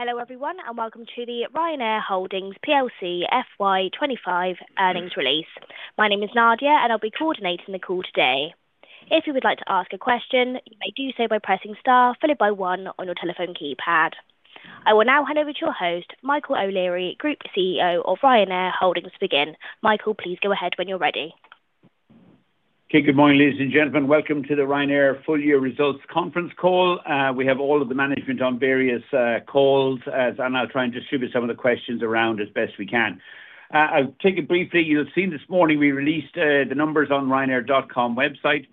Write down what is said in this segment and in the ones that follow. Hello everyone and welcome to the Ryanair Holdings FY 2025 earnings release. My name is Nadia and I'll be coordinating the call today. If you would like to ask a question, you may do so by pressing star followed by one on your telephone keypad. I will now hand over to our host, Michael O'Leary, Group CEO of Ryanair Holdings, to begin. Michael, please go ahead when you're ready. Okay, good morning ladies and gentlemen. Welcome to the Ryanair full year results conference call. We have all of the management on various calls as I'm now trying to distribute some of the questions around as best we can. I'll take it briefly. You'll have seen this morning we released the numbers on the ryanair.com website.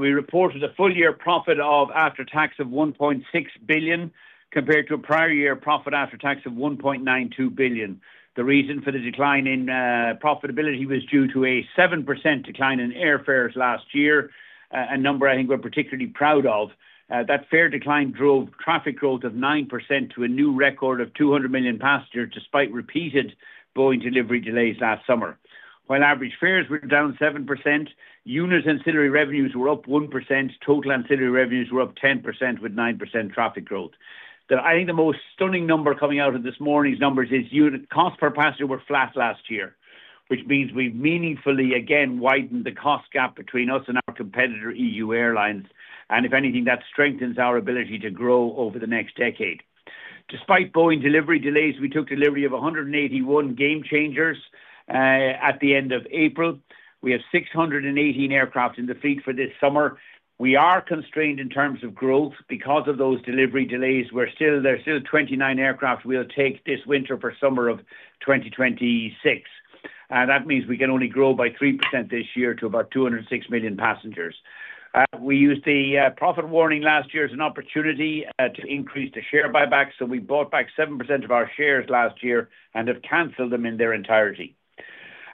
We reported a full year profit after tax of 1.6 billion compared to a prior year profit after tax of 1.92 billion. The reason for the decline in profitability was due to a 7% decline in airfares last year, a number I think we're particularly proud of. That fare decline drove traffic growth of 9% to a new record of 200 million passengers despite repeated Boeing delivery delays last summer. While average fares were down 7%, units and ancillary revenues were up 1%. Total ancillary revenues were up 10% with 9% traffic growth. I think the most stunning number coming out of this morning's numbers is unit cost per passenger were flat last year, which means we've meaningfully again widened the cost gap between us and our competitor EU Airlines. If anything, that strengthens our ability to grow over the next decade. Despite Boeing delivery delays, we took delivery of 181 Gamechangers at the end of April. We have 618 aircraft in the fleet for this summer. We are constrained in terms of growth because of those delivery delays. There are still 29 aircraft we'll take this winter for summer of 2026. That means we can only grow by 3% this year to about 206 million passengers. We used the profit warning last year as an opportunity to increase the share buyback. We bought back 7% of our shares last year and have canceled them in their entirety.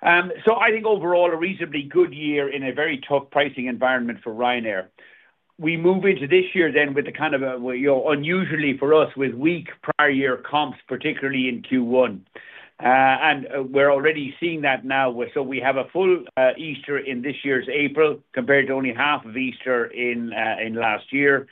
I think overall a reasonably good year in a very tough pricing environment for Ryanair. We move into this year then with the kind of unusually for us with weak prior year comps, particularly in Q1. We're already seeing that now. We have a full Easter in this year's April compared to only half of Easter in last year.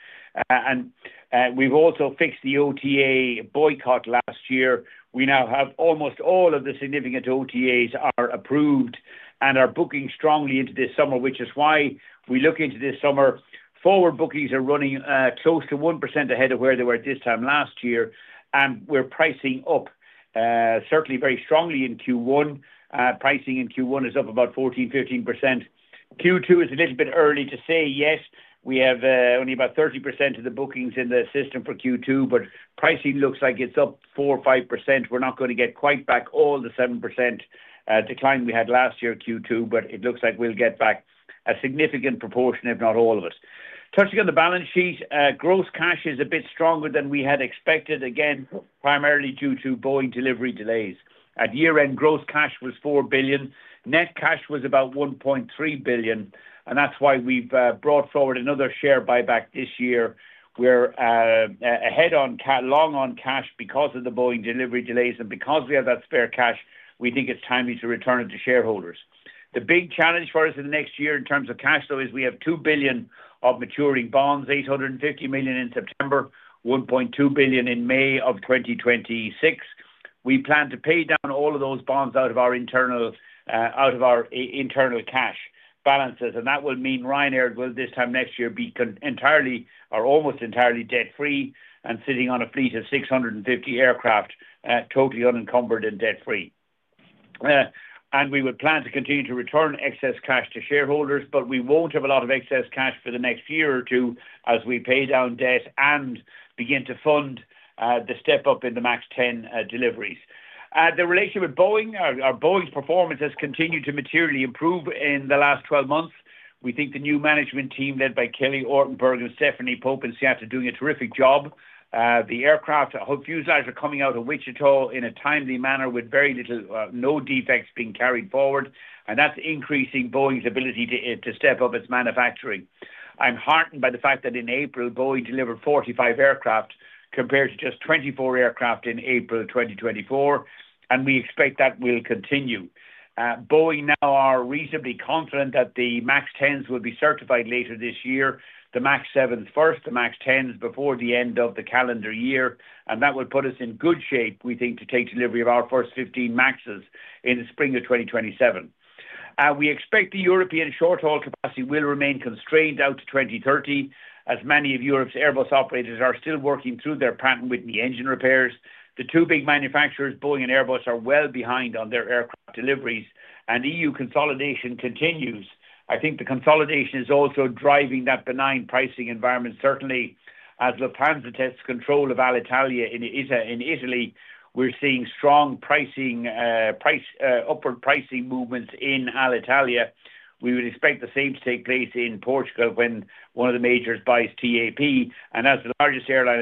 We've also fixed the OTA boycott last year. We now have almost all of the significant OTAs are approved and are booking strongly into this summer, which is why we look into this summer. Forward bookings are running close to 1% ahead of where they were at this time last year. We're pricing up certainly very strongly in Q1. Pricing in Q1 is up about 14%-15%. Q2 is a little bit early to say yes. We have only about 30% of the bookings in the system for Q2, but pricing looks like it's up 4%-5%. We're not going to get quite back all the 7% decline we had last year Q2, but it looks like we'll get back a significant proportion, if not all of it. Touching on the balance sheet, gross cash is a bit stronger than we had expected, again, primarily due to Boeing delivery delays. At year-end, gross cash was 4 billion. Net cash was about 1.3 billion. That's why we've brought forward another share buyback this year. We're ahead on long on cash because of the Boeing delivery delays and because we have that spare cash, we think it's timely to return it to shareholders. The big challenge for us in the next year in terms of cash flow is we have 2 billion of maturing bonds, 850 million in September, 1.2 billion in May of 2026. We plan to pay down all of those bonds out of our internal cash balances. That will mean Ryanair will this time next year be entirely or almost entirely debt-free and sitting on a fleet of 650 aircraft, totally unencumbered and debt-free. We would plan to continue to return excess cash to shareholders, but we will not have a lot of excess cash for the next year or two as we pay down debt and begin to fund the step up in the MAX 10 deliveries. The relationship with Boeing, our Boeing's performance has continued to materially improve in the last 12 months. We think the new management team led by Kelly Ortberg and Stephanie Pope in Seattle are doing a terrific job. The aircraft fuse lines are coming out of Wichita in a timely manner with very little, no defects being carried forward. That is increasing Boeing's ability to step up its manufacturing. I am heartened by the fact that in April, Boeing delivered 45 aircraft compared to just 24 aircraft in April 2023. We expect that will continue. Boeing now are reasonably confident that the MAX 10s will be certified later this year, the MAX 7s first, the MAX 10s before the end of the calendar year. That would put us in good shape, we think, to take delivery of our first 15 MAXes in the spring of 2027. We expect the European short-haul capacity will remain constrained out to 2030 as many of Europe's Airbus operators are still working through their pattern with the engine repairs. The two big manufacturers, Boeing and Airbus, are well behind on their aircraft deliveries. EU consolidation continues. I think the consolidation is also driving that benign pricing environment. Certainly, as Lufthansa tests control of Alitalia in Italy, we're seeing strong upward pricing movements in Alitalia. We would expect the same to take place in Portugal when one of the majors buys TAP. As the largest airline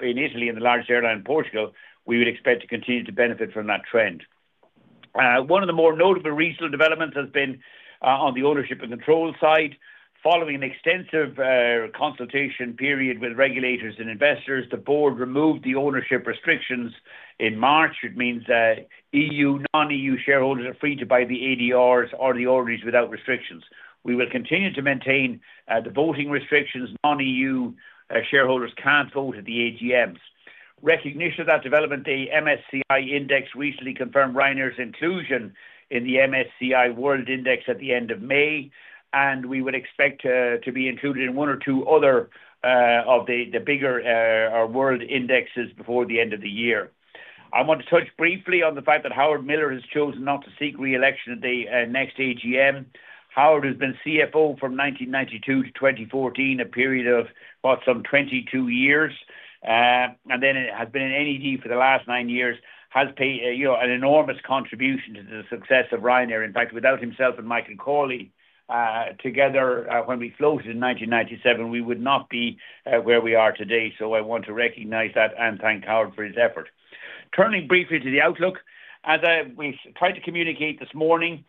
in Italy and the largest airline in Portugal, we would expect to continue to benefit from that trend. One of the more notable regional developments has been on the ownership and control side. Following an extensive consultation period with regulators and investors, the board removed the ownership restrictions in March. It means EU, non-EU shareholders are free to buy the ADRs or the ordinaries without restrictions. We will continue to maintain the voting restrictions. Non-EU shareholders can't vote at the AGMs. In recognition of that development, the MSCI index recently confirmed Ryanair's inclusion in the MSCI World Index at the end of May. We would expect to be included in one or two other of the bigger world indexes before the end of the year. I want to touch briefly on the fact that Howard Millar has chosen not to seek reelection at the next AGM. Howard has been CFO from 1992-2014, a period of about some 22 years. He has been an NED for the last nine years, has made an enormous contribution to the success of Ryanair. In fact, without himself and Michael Corley together when we floated in 1997, we would not be where we are today. I want to recognize that and thank Howard for his effort. Turning briefly to the outlook, as we tried to communicate this morning,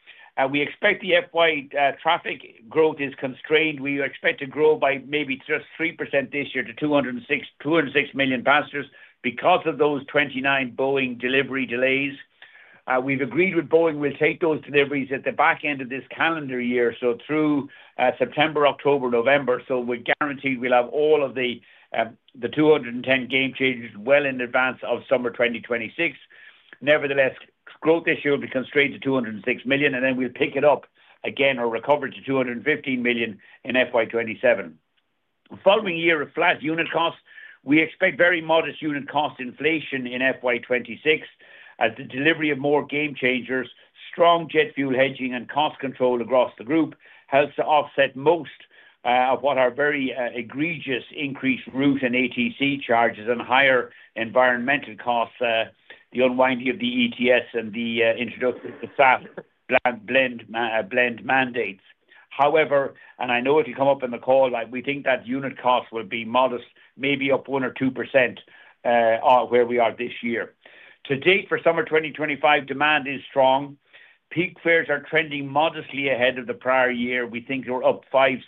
we expect the FY traffic growth is constrained. We expect to grow by maybe just 3% this year to 206 million passengers because of those 29 Boeing delivery delays. We have agreed with Boeing we will take those deliveries at the back end of this calendar year, through September, October, November. We are guaranteed we will have all of the 210 game changers well in advance of summer 2026. Nevertheless, growth this year will be constrained to 206 million. We will pick it up again or recover to 215 million in FY 2027. Following a year of flat unit costs, we expect very modest unit cost inflation in FY 2026. The delivery of more game changers, strong jet fuel hedging, and cost control across the group helps to offset most of what are very egregious increased route and ATC charges and higher environmental costs, the unwinding of the ETS and the introduction of the SAF blend mandates. However, and I know it'll come up in the call, we think that unit cost will be modest, maybe up 1%-2% where we are this year. To date for summer 2025, demand is strong. Peak fares are trending modestly ahead of the prior year. We think we're up 5%-6%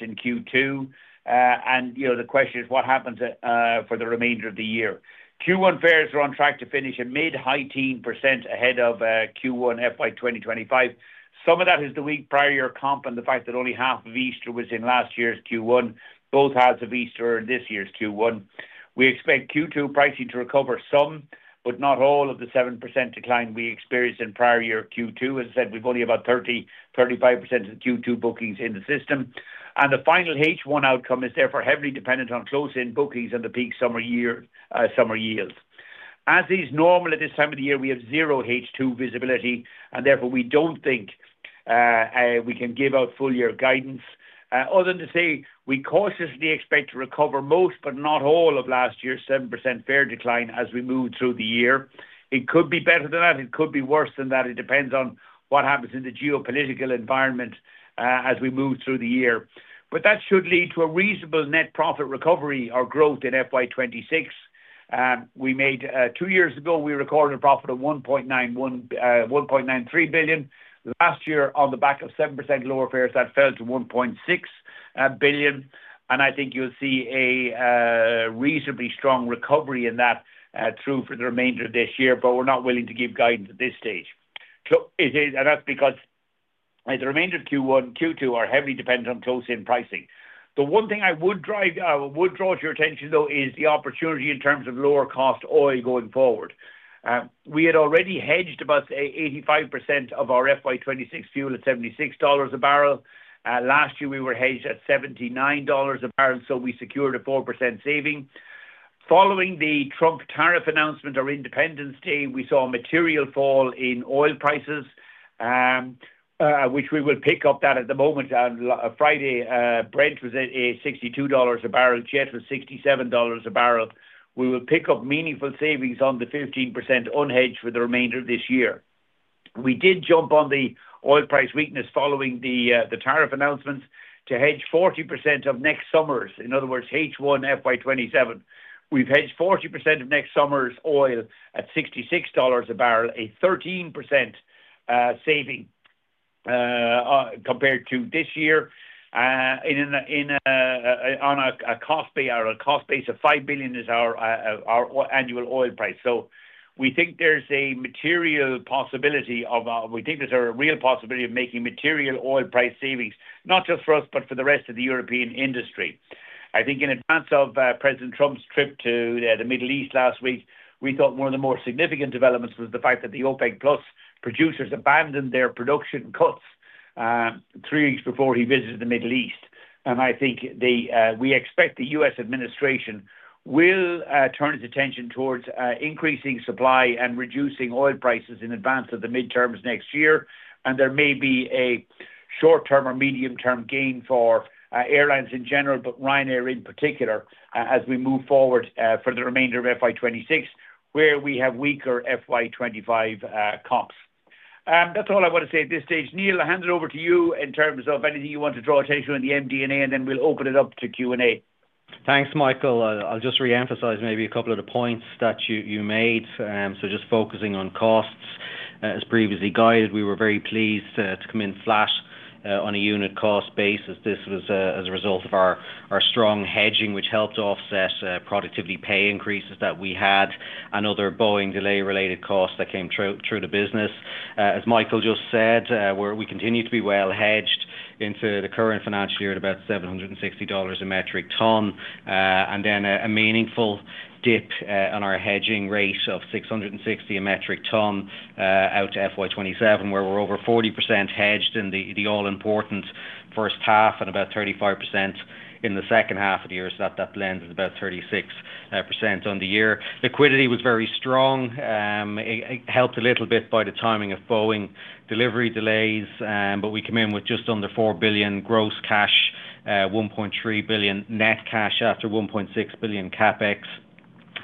in Q2. The question is what happens for the remainder of the year. Q1 fares are on track to finish at mid-high single percent ahead of Q1 FY 2025. Some of that is the week prior year comp and the fact that only half of Easter was in last year's Q1. Both halves of Easter are in this year's Q1. We expect Q2 pricing to recover some, but not all of the 7% decline we experienced in prior year Q2. As I said, we have only about 30%-35% of Q2 bookings in the system. The final H1 outcome is therefore heavily dependent on close-in bookings and the peak summer yield. As is normal at this time of the year, we have zero H2 visibility. Therefore, we do not think we can give out full year guidance other than to say we cautiously expect to recover most, but not all of last year's 7% fare decline as we move through the year. It could be better than that. It could be worse than that. It depends on what happens in the geopolitical environment as we move through the year. That should lead to a reasonable net profit recovery or growth in FY 2026. Two years ago, we recorded a profit of 1.93 billion. Last year, on the back of 7% lower fares, that fell to 1.6 billion. I think you'll see a reasonably strong recovery in that through for the remainder of this year. We're not willing to give guidance at this stage. That's because the remainder of Q1, Q2 are heavily dependent on close-in pricing. The one thing I would draw to your attention, though, is the opportunity in terms of lower cost oil going forward. We had already hedged about 85% of our FY 2026 fuel at $76 a barrel. Last year, we were hedged at $79 a barrel. We secured a 4% saving. Following the Trump tariff announcement on Independence Day, we saw a material fall in oil prices, which we will pick up that at the moment. On Friday, Brent was at $62 a barrel, Jet was $67 a barrel. We will pick up meaningful savings on the 15% unhedged for the remainder of this year. We did jump on the oil price weakness following the tariff announcements to hedge 40% of next summer's, in other words, H1 FY 2027. We've hedged 40% of next summer's oil at $66 a barrel, a 13% saving compared to this year on a cost base of 5 billion is our annual oil price. We think there's a material possibility of, we think there's a real possibility of making material oil price savings, not just for us, but for the rest of the European industry. I think in advance of President Trump's trip to the Middle East last week, we thought one of the more significant developments was the fact that the OPEC+ producers abandoned their production cuts three weeks before he visited the Middle East. I think we expect the U.S. administration will turn its attention towards increasing supply and reducing oil prices in advance of the midterms next year. There may be a short-term or medium-term gain for airlines in general, but Ryanair in particular, as we move forward for the remainder of FY 2026, where we have weaker FY 2025 comps. That is all I want to say at this stage. Neil, I will hand it over to you in terms of anything you want to draw attention to in the MD&A, and then we will open it up to Q&A. Thanks, Michael. I'll just re-emphasize maybe a couple of the points that you made. Just focusing on costs, as previously guided, we were very pleased to come in flat on a unit cost basis. This was as a result of our strong hedging, which helped offset productivity pay increases that we had and other Boeing delay-related costs that came through the business. As Michael just said, we continue to be well hedged into the current financial year at about $760 a metric ton. A meaningful dip on our hedging rate of $660 a metric ton out to FY 2027, where we're over 40% hedged in the all-important first half and about 35% in the second half of the year. That lends us about 36% on the year. Liquidity was very strong. It helped a little bit by the timing of Boeing delivery delays. We came in with just under 4 billion gross cash, 1.3 billion net cash after 1.6 billion CapEx,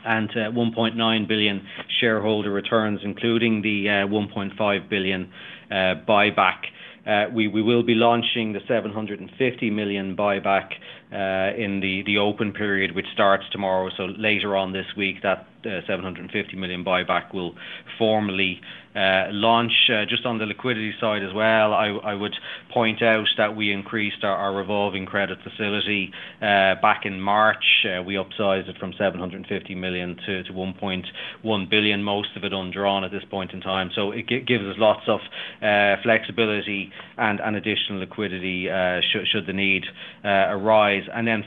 and 1.9 billion shareholder returns, including the 1.5 billion buyback. We will be launching the 750 million buyback in the open period, which starts tomorrow. Later on this week, that 750 million buyback will formally launch. On the liquidity side as well, I would point out that we increased our revolving credit facility back in March. We upsized it from 750 million-1.1 billion, most of it undrawn at this point in time. It gives us lots of flexibility and additional liquidity should the need arise.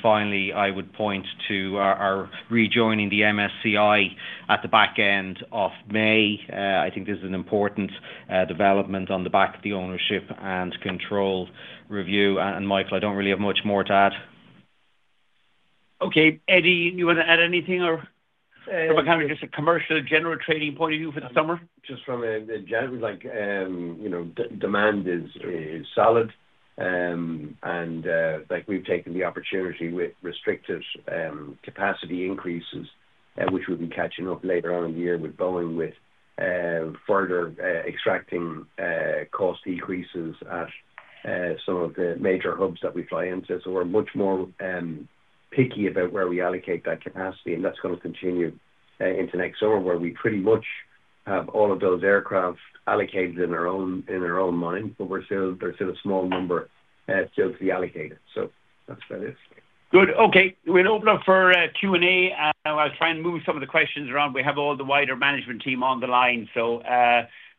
Finally, I would point to our rejoining the MSCI at the back end of May. I think this is an important development on the back of the ownership and control review. Michael, I do not really have much more to add. Okay. Eddie, you want to add anything or from a kind of just a commercial general trading point of view for the summer? Just from a general, demand is solid. We have taken the opportunity with restrictive capacity increases, which we will be catching up later on in the year with Boeing, with further extracting cost decreases at some of the major hubs that we fly into. We are much more picky about where we allocate that capacity. That is going to continue into next summer, where we pretty much have all of those aircraft allocated in our own mind. There is still a small number still to be allocated. That is about it. Good. Okay. We will open up for Q&A. I will try and move some of the questions around. We have all the wider management team on the line.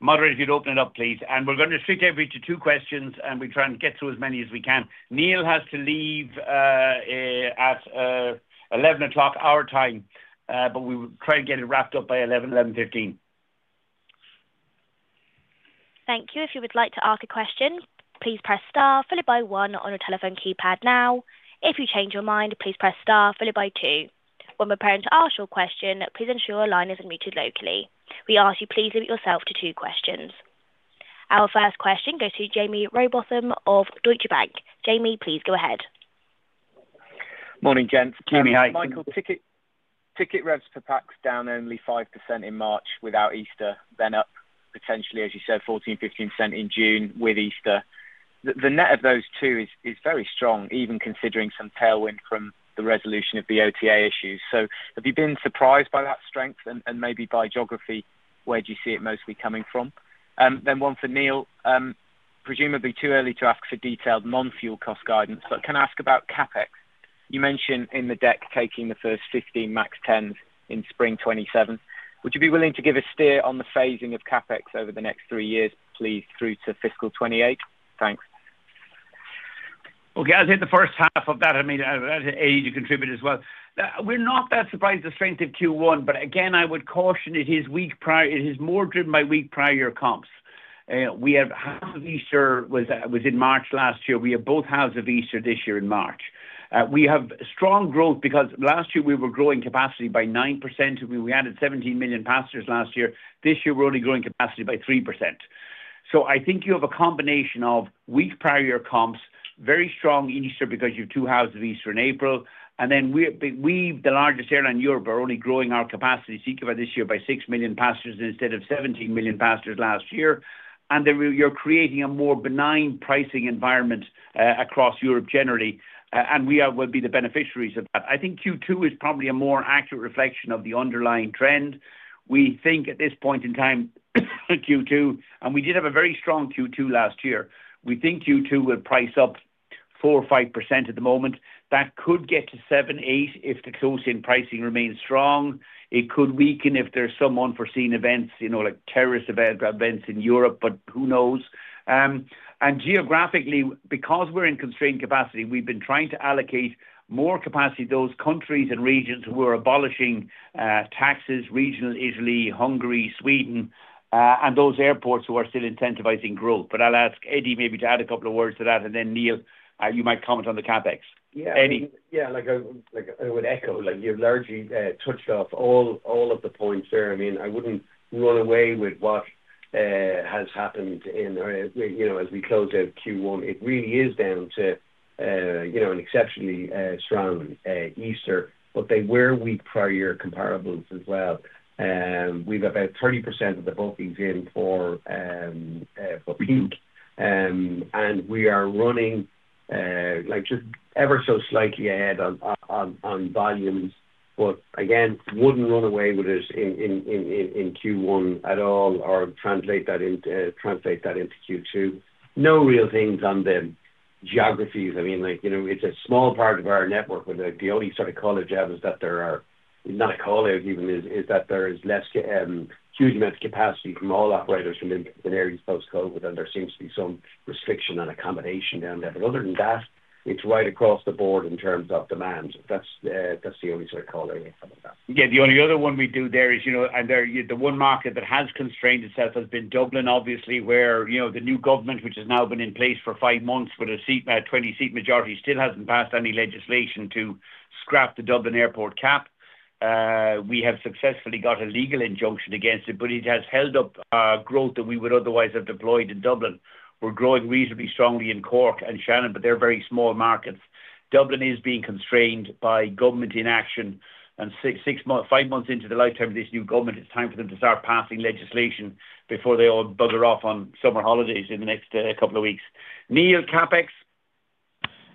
Moderator, if you'd open it up, please. We're going to stick every to two questions, and we try and get through as many as we can. Neil has to leave at 11:00 A.M. our time, but we will try and get it wrapped up by 11:00, 11:15. Thank you. If you would like to ask a question, please press star followed by one on a telephone keypad now. If you change your mind, please press star followed by two. When preparing to ask your question, please ensure your line is unmuted locally. We ask you please limit yourself to two questions. Our first question goes to Jaime Rowbotham of Deutsche Bank. Jaime, please go ahead. Morning, Jaime. Jaime, hi. Michael, ticket reps for PAX down only 5% in March without Easter, then up potentially, as you said, 14%-15% in June with Easter. The net of those two is very strong, even considering some tailwind from the resolution of the OTA issues. Have you been surprised by that strength and maybe by geography? Where do you see it mostly coming from? One for Neil, presumably too early to ask for detailed non-fuel cost guidance, but can I ask about CapEx? You mentioned in the deck taking the first 15 MAX 10s in spring 2027. Would you be willing to give a steer on the phasing of CapEx over the next three years, please, through to fiscal 2028? Thanks. Okay. I'll take the first half of that. I mean, Eddie, you contribute as well. We're not that surprised with the strength of Q1. I would caution it is weak prior. It is more driven by weak prior year comps. We have half of Easter was in March last year. We have both halves of Easter this year in March. We have strong growth because last year we were growing capacity by 9%. We added 17 million passengers last year. This year, we're only growing capacity by 3%. I think you have a combination of weak prior year comps, very strong Easter because you have two halves of Easter in April. We, the largest airline in Europe, are only growing our capacity this year by 6 million passengers instead of 17 million passengers last year. You're creating a more benign pricing environment across Europe generally. We will be the beneficiaries of that. I think Q2 is probably a more accurate reflection of the underlying trend. We think at this point in time, Q2, and we did have a very strong Q2 last year. We think Q2 will price up 4% or 5% at the moment. That could get to 7%-8% if the close-in pricing remains strong. It could weaken if there's some unforeseen events, like terrorist events in Europe, but who knows. Geographically, because we're in constrained capacity, we've been trying to allocate more capacity to those countries and regions who are abolishing taxes, regional Italy, Hungary, Sweden, and those airports who are still incentivizing growth. I'll ask Eddie maybe to add a couple of words to that. Neil, you might comment on the CapEx. Eddie. Yeah. I would echo you've largely touched off all of the points there. I mean, I wouldn't run away with what has happened as we close out Q1. It really is down to an exceptionally strong Easter. They were weak prior year comparables as well. We've about 30% of the bookings in for peak. We are running just ever so slightly ahead on volumes. Again, wouldn't run away with this in Q1 at all or translate that into Q2. No real things on the geographies. I mean, it's a small part of our network, but the only sort of call-out job is that there are, not a call-out even, is that there is less huge amounts of capacity from all operators from different areas post-COVID. There seems to be some restriction on accommodation down there. Other than that, it's right across the board in terms of demand. That's the only sort of call-out I have on that. Yeah. The only other one we do there is, and the one market that has constrained itself has been Dublin, obviously, where the new government, which has now been in place for five months with a 20-seat majority, still has not passed any legislation to scrap the Dublin Airport cap. We have successfully got a legal injunction against it, but it has held up growth that we would otherwise have deployed in Dublin. We are growing reasonably strongly in Cork and Shannon, but they are very small markets. Dublin is being constrained by government inaction. Five months into the lifetime of this new government, it is time for them to start passing legislation before they all bugger off on summer holidays in the next couple of weeks. Neil, CapEx?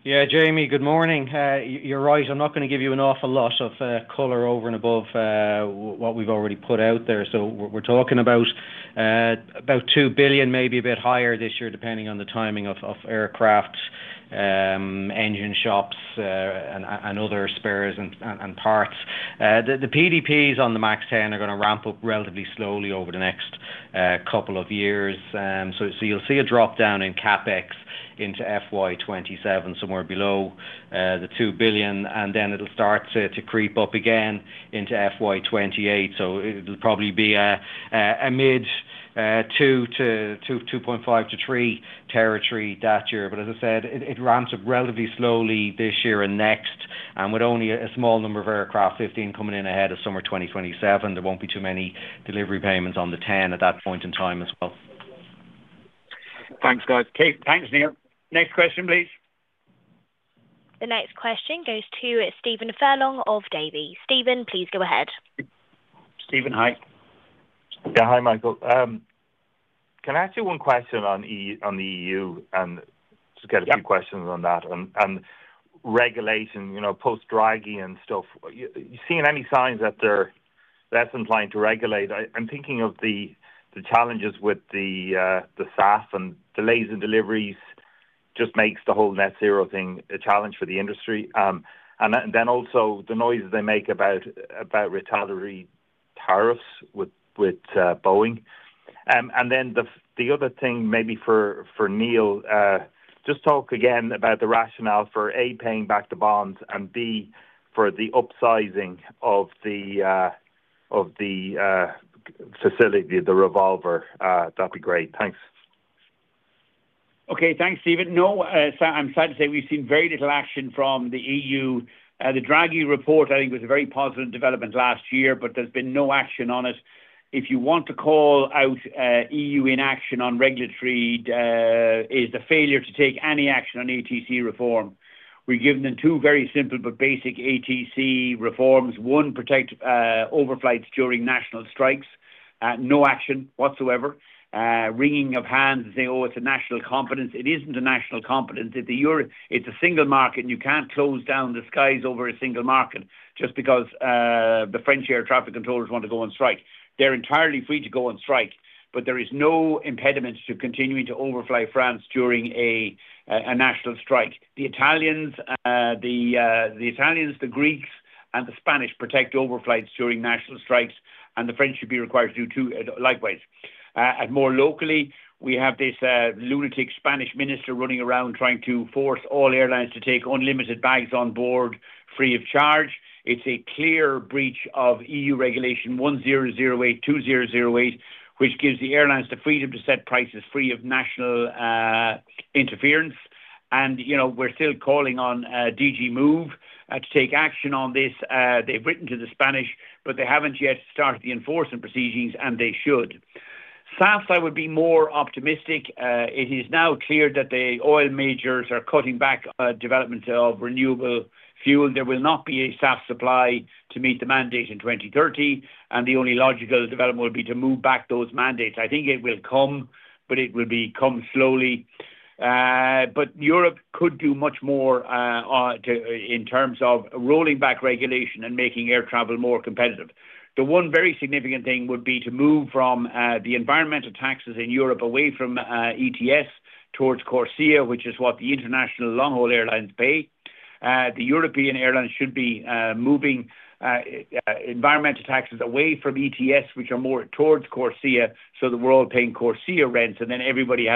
Yeah. Jaime, good morning. You are right. I'm not going to give you an awful lot of color over and above what we've already put out there. We're talking about 2 billion, maybe a bit higher this year, depending on the timing of aircraft, engine shops, and other spares and parts. The PDPs on the MAX 10 are going to ramp up relatively slowly over the next couple of years. You'll see a drop down in CapEx into FY 2027, somewhere below 2 billion. It will start to creep up again into FY 2028. It will probably be a mid 2 billion-2.5 billion-EUR 3 billion territory that year. As I said, it ramps up relatively slowly this year and next, and with only a small number of aircraft, 15 coming in ahead of summer 2027. There will not be too many delivery payments on the 10 at that point in time as well. Thanks, guys. Thanks, Neil. Next question, please. The next question goes to Stephen Furlong of Davy. Stephen, please go ahead. Stephen, hi. Yeah. Hi, Michael. Can I ask you one question on the EU and just get a few questions on that? And regulation, post-Draghi and stuff, you're seeing any signs that they're less inclined to regulate? I'm thinking of the challenges with the SAF and delays in deliveries just makes the whole net zero thing a challenge for the industry. And then also the noise they make about retaliatory tariffs with Boeing. And then the other thing maybe for Neil, just talk again about the rationale for A, paying back the bonds, and B, for the upsizing of the facility, the revolver. That'd be great. Thanks. Okay. Thanks, Stephen. No, I'm sad to say we've seen very little action from the EU.The Draghi report, I think, was a very positive development last year, but there's been no action on it. If you want to call out EU inaction on regulatory, it is the failure to take any action on ATC reform. We've given them two very simple but basic ATC reforms. One, protect overflights during national strikes. No action whatsoever. Ringing of hands and saying, "Oh, it's a national competence." It isn't a national competence. It's a single market, and you can't close down the skies over a single market just because the French air traffic controllers want to go on strike. They're entirely free to go on strike, but there is no impediment to continuing to overfly France during a national strike. The Italians, the Greeks, and the Spanish protect overflights during national strikes, and the French should be required to do likewise. More locally, we have this lunatic Spanish minister running around trying to force all airlines to take unlimited bags on board free of charge. It is a clear breach of EU regulation 1008, 2008, which gives the airlines the freedom to set prices free of national interference. We are still calling on DG Move to take action on this. They have written to the Spanish, but they have not yet started the enforcement proceedings, and they should. SAF, I would be more optimistic. It is now clear that the oil majors are cutting back development of renewable fuel. There will not be a SAF supply to meet the mandate in 2030. The only logical development would be to move back those mandates. I think it will come, but it will come slowly. Europe could do much more in terms of rolling back regulation and making air travel more competitive. The one very significant thing would be to move from the environmental taxes in Europe away from ETS towards Corsia, which is what the international long-haul airlines pay. The European airlines should be moving environmental taxes away from ETS, which are more towards Corsia, so that we're all paying Corsia rents, and then everybody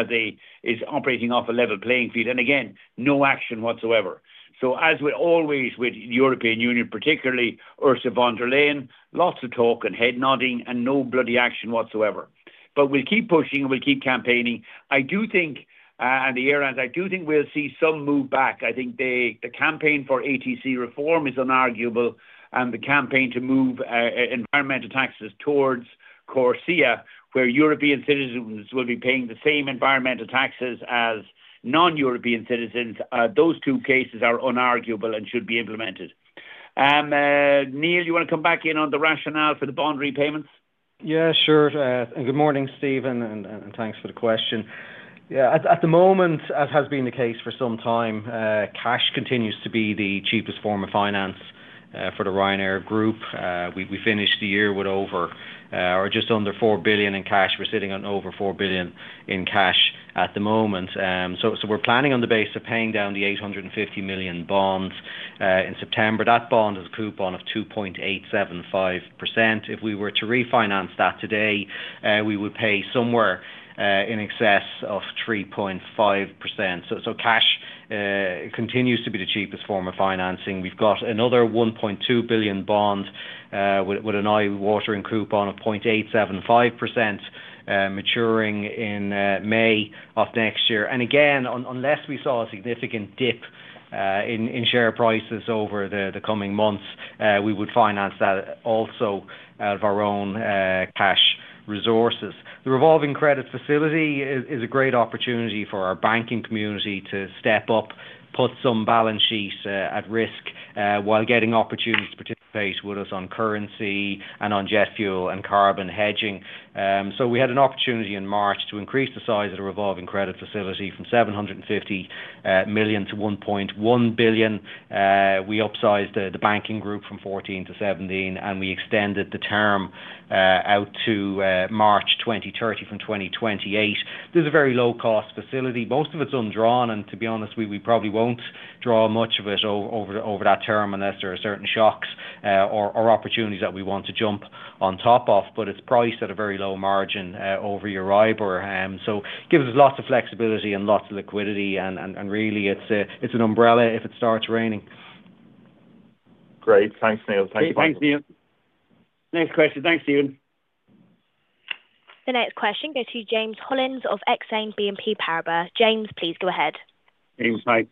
is operating off a level playing field. Again, no action whatsoever. As always with the European Union, particularly Ursula von der Leyen, lots of talk and head nodding and no bloody action whatsoever. We'll keep pushing, and we'll keep campaigning. I do think, and the airlines, I do think we'll see some move back. I think the campaign for ATC reform is unarguable, and the campaign to move environmental taxes towards Corsia, where European citizens will be paying the same environmental taxes as non-European citizens, those two cases are unarguable and should be implemented. Neil, you want to come back in on the rationale for the bond repayments? Yeah, sure. Good morning, Stephen, and thanks for the question. Yeah. At the moment, as has been the case for some time, cash continues to be the cheapest form of finance for the Ryanair Group. We finished the year with over or just under 4 billion in cash. We're sitting at over 4 billion in cash at the moment. So we're planning on the base of paying down the 850 million bonds in September. That bond is a coupon of 2.875%. If we were to refinance that today, we would pay somewhere in excess of 3.5%. Cash continues to be the cheapest form of financing. We have another 1.2 billion bond with an eye-watering coupon of 0.875% maturing in May of next year. Again, unless we saw a significant dip in share prices over the coming months, we would finance that also out of our own cash resources. The revolving credit facility is a great opportunity for our banking community to step up, put some balance sheets at risk while getting opportunities to participate with us on currency and on jet fuel and carbon hedging. We had an opportunity in March to increase the size of the revolving credit facility from 750 million-1.1 billion. We upsized the banking group from 14-17, and we extended the term out to March 2030 from 2028. This is a very low-cost facility. Most of it is undrawn, and to be honest, we probably will not draw much of it over that term unless there are certain shocks or opportunities that we want to jump on top of, but it is priced at a very low margin over your Euribor. It gives us lots of flexibility and lots of liquidity, and really, it is an umbrella if it starts raining. Great. Thanks, Neil. Thank you. Thanks, Neil. Next question. Thanks, Stephen. The next question goes to James Hollins of Exane BNP Paribas. James, please go ahead. James, hi.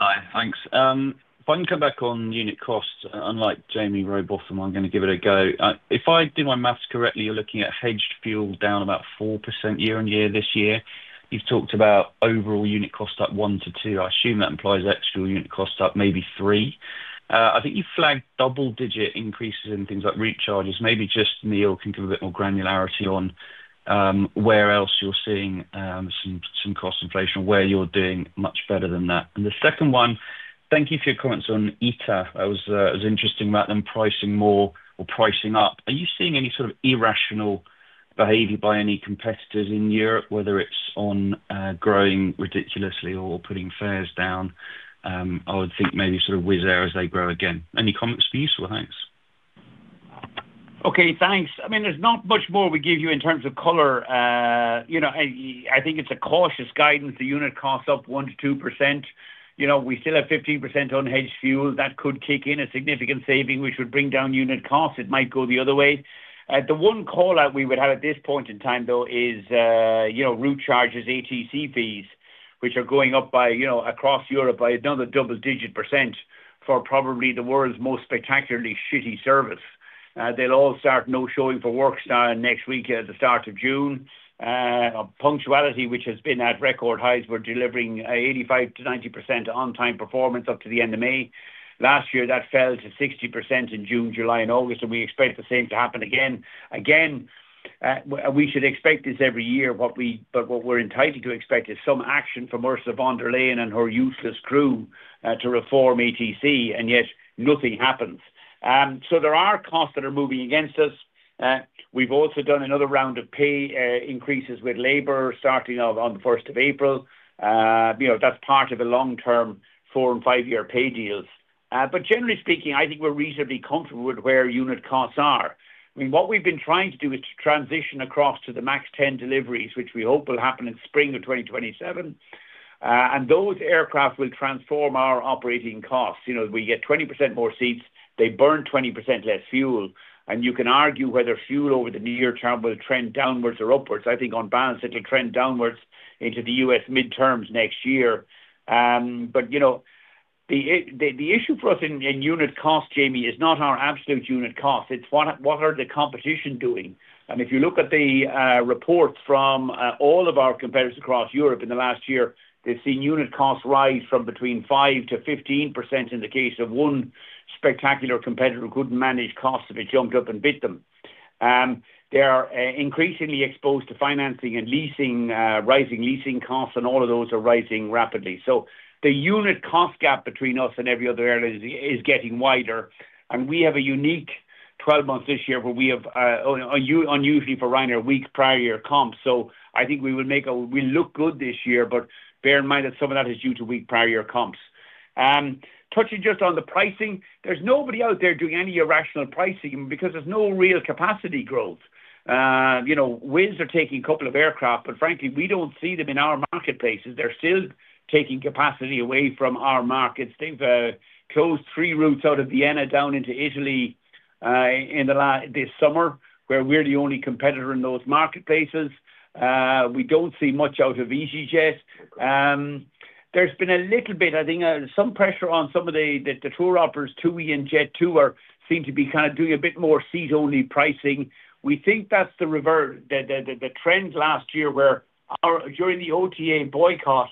Hi. Thanks. If I can come back on unit costs, unlike Jaime Rowbotham, I am going to give it a go. If I did my maths correctly, you are looking at hedged fuel down about 4% year-on-year this year. You have talked about overall unit costs up 1%-2%.I assume that implies extra unit costs up maybe 3%. I think you've flagged double-digit increases in things like route charges. Maybe just Neil can give a bit more granularity on where else you're seeing some cost inflation or where you're doing much better than that. The second one, thank you for your comments on ITA. It was interesting about them pricing more or pricing up. Are you seeing any sort of irrational behavior by any competitors in Europe, whether it's on growing ridiculously or putting fares down? I would think maybe sort of Wizz Air as they grow again. Any comments for you, Sir? Thanks. Okay. Thanks. I mean, there's not much more we give you in terms of color. I think it's a cautious guidance. The unit costs up 1%-2%. We still have 15% on hedged fuel. That could kick in a significant saving, which would bring down unit costs. It might go the other way. The one call-out we would have at this point in time, though, is route charges, ATC fees, which are going up across Europe by another double-digit percentage for probably the world's most spectacularly shitty service. They'll all start no-showing for work starting next week at the start of June. Punctuality, which has been at record highs, we're delivering 85%-90% on-time performance up to the end of May. Last year, that fell to 60% in June, July, and August, and we expect the same to happen again. We should expect this every year, but what we're entitled to expect is some action from Ursula von der Leyen and her useless crew to reform ATC, and yet nothing happens. There are costs that are moving against us. We've also done another round of pay increases with labor starting on the 1st of April. That's part of a long-term four- and five-year pay deals. But generally speaking, I think we're reasonably comfortable with where unit costs are. I mean, what we've been trying to do is to transition across to the MAX 10 deliveries, which we hope will happen in spring of 2027. And those aircraft will transform our operating costs. We get 20% more seats. They burn 20% less fuel. You can argue whether fuel over the near term will trend downwards or upwards. I think on balance, it'll trend downwards into the U.S. midterms next year. The issue for us in unit cost, Jaime, is not our absolute unit cost. It's what are the competition doing? If you look at the reports from all of our competitors across Europe in the last year, they've seen unit costs rise from between 5%-15% in the case of one spectacular competitor who couldn't manage costs if it jumped up and beat them. They are increasingly exposed to financing and rising leasing costs, and all of those are rising rapidly. The unit cost gap between us and every other airline is getting wider. We have a unique 12 months this year where we have, unusually for Ryanair, week-prior comps. I think we will look good this year, but bear in mind that some of that is due to week-prior comps. Touching just on the pricing, there's nobody out there doing any irrational pricing because there's no real capacity growth. Wizz are taking a couple of aircraft, but frankly, we do not see them in our marketplaces. They are still taking capacity away from our markets. They have closed three routes out of Vienna down into Italy this summer, where we are the only competitor in those marketplaces. We do not see much out of EasyJet. There has been a little bit, I think, some pressure on some of the tour operators, TUI and Jet2, seem to be kind of doing a bit more seat-only pricing. We think that is the trend last year where during the OTA boycott,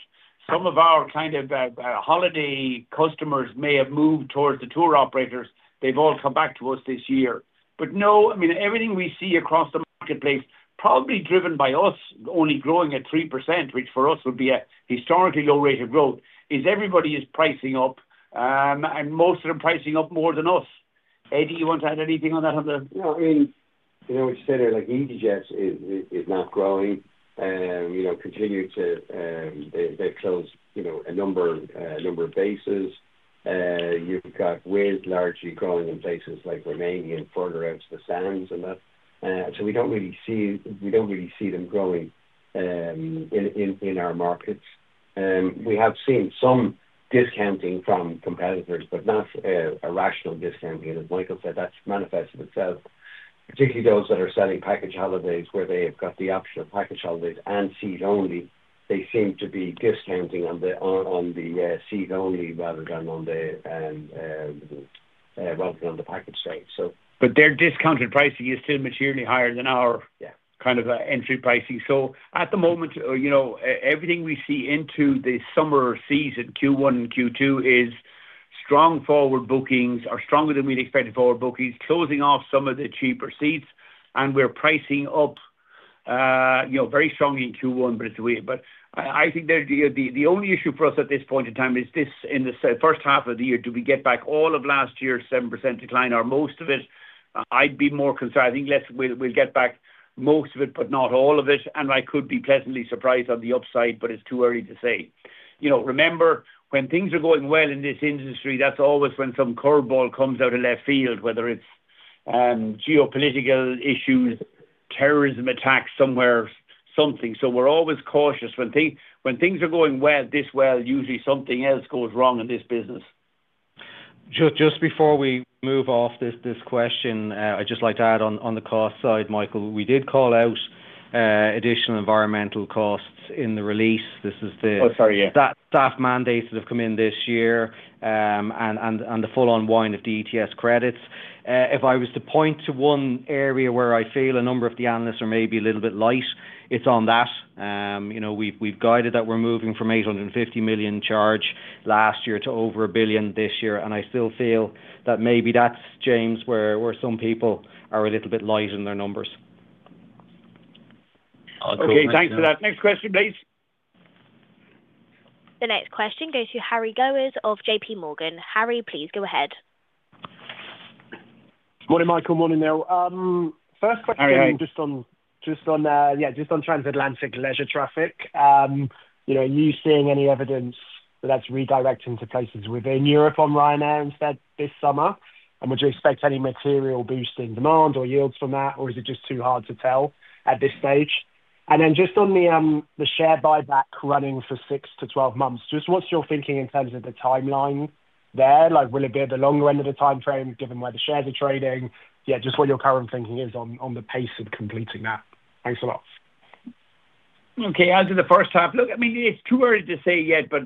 some of our kind of holiday customers may have moved towards the tour operators. They have all come back to us this year. No, I mean, everything we see across the marketplace, probably driven by us only growing at 3%, which for us would be a historically low rate of growth, is everybody is pricing up, and most of them pricing up more than us. Eddie, you want to add anything on that? Yeah. I mean, what you said there, EasyJet is not growing. They've closed a number of bases. You've got Wizz largely growing in places like Romania and further out to the sands and that. We do not really see them growing in our markets. We have seen some discounting from competitors, but not a rational discounting. As Michael said, that's manifested itself, particularly those that are selling package holidays where they have got the option of package holidays and seat-only. They seem to be discounting on the seat-only rather than on the package side. Their discounted pricing is still materially higher than our kind of entry pricing. At the moment, everything we see into the summer season, Q1 and Q2, is strong forward bookings or stronger than we'd expected forward bookings, closing off some of the cheaper seats, and we're pricing up very strongly in Q1. It is a wait. I think the only issue for us at this point in time is this in the first half of the year. Do we get back all of last year's 7% decline or most of it? I'd be more concerned. I think we'll get back most of it, but not all of it. I could be pleasantly surprised on the upside, but it's too early to say. Remember, when things are going well in this industry, that's always when some curveball comes out of left field, whether it's geopolitical issues, terrorism attacks somewhere, something. We're always cautious. When things are going this well, usually something else goes wrong in this business. Just before we move off this question, I'd just like to add on the cost side, Michael, we did call out additional environmental costs in the release. This is the SAF mandates that have come in this year and the full unwind of ETS credits. If I was to point to one area where I feel a number of the analysts are maybe a little bit light, it's on that. We've guided that we're moving from 850 million charge last year to over 1 billion this year. I still feel that maybe that's, James, where some people are a little bit light in their numbers. Okay. Thanks for that. Next question, please. The next question goes to Harry Gowers of JP Morgan. Harry, please go ahead. Good morning, Michael. Morning there. First question is just on, yeah, just on transatlantic leisure traffic. Are you seeing any evidence that that's redirecting to places within Europe on Ryanair instead this summer? Would you expect any material boost in demand or yields from that, or is it just too hard to tell at this stage? Then just on the share buyback running for 6-12 months, what's your thinking in terms of the timeline there? Will it be at the longer end of the timeframe given where the shares are trading? Yeah, just what your current thinking is on the pace of completing that. Thanks a lot. Okay. As of the first half, look, I mean, it's too early to say yet, but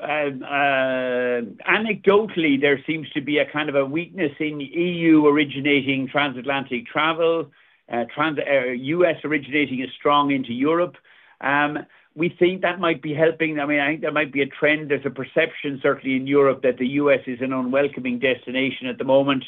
anecdotally, there seems to be a kind of a weakness in EU-originating transatlantic travel, U.S.-originating as strong into Europe. We think that might be helping. I mean, I think there might be a trend. There's a perception, certainly in Europe, that the U.S. is an unwelcoming destination at the moment.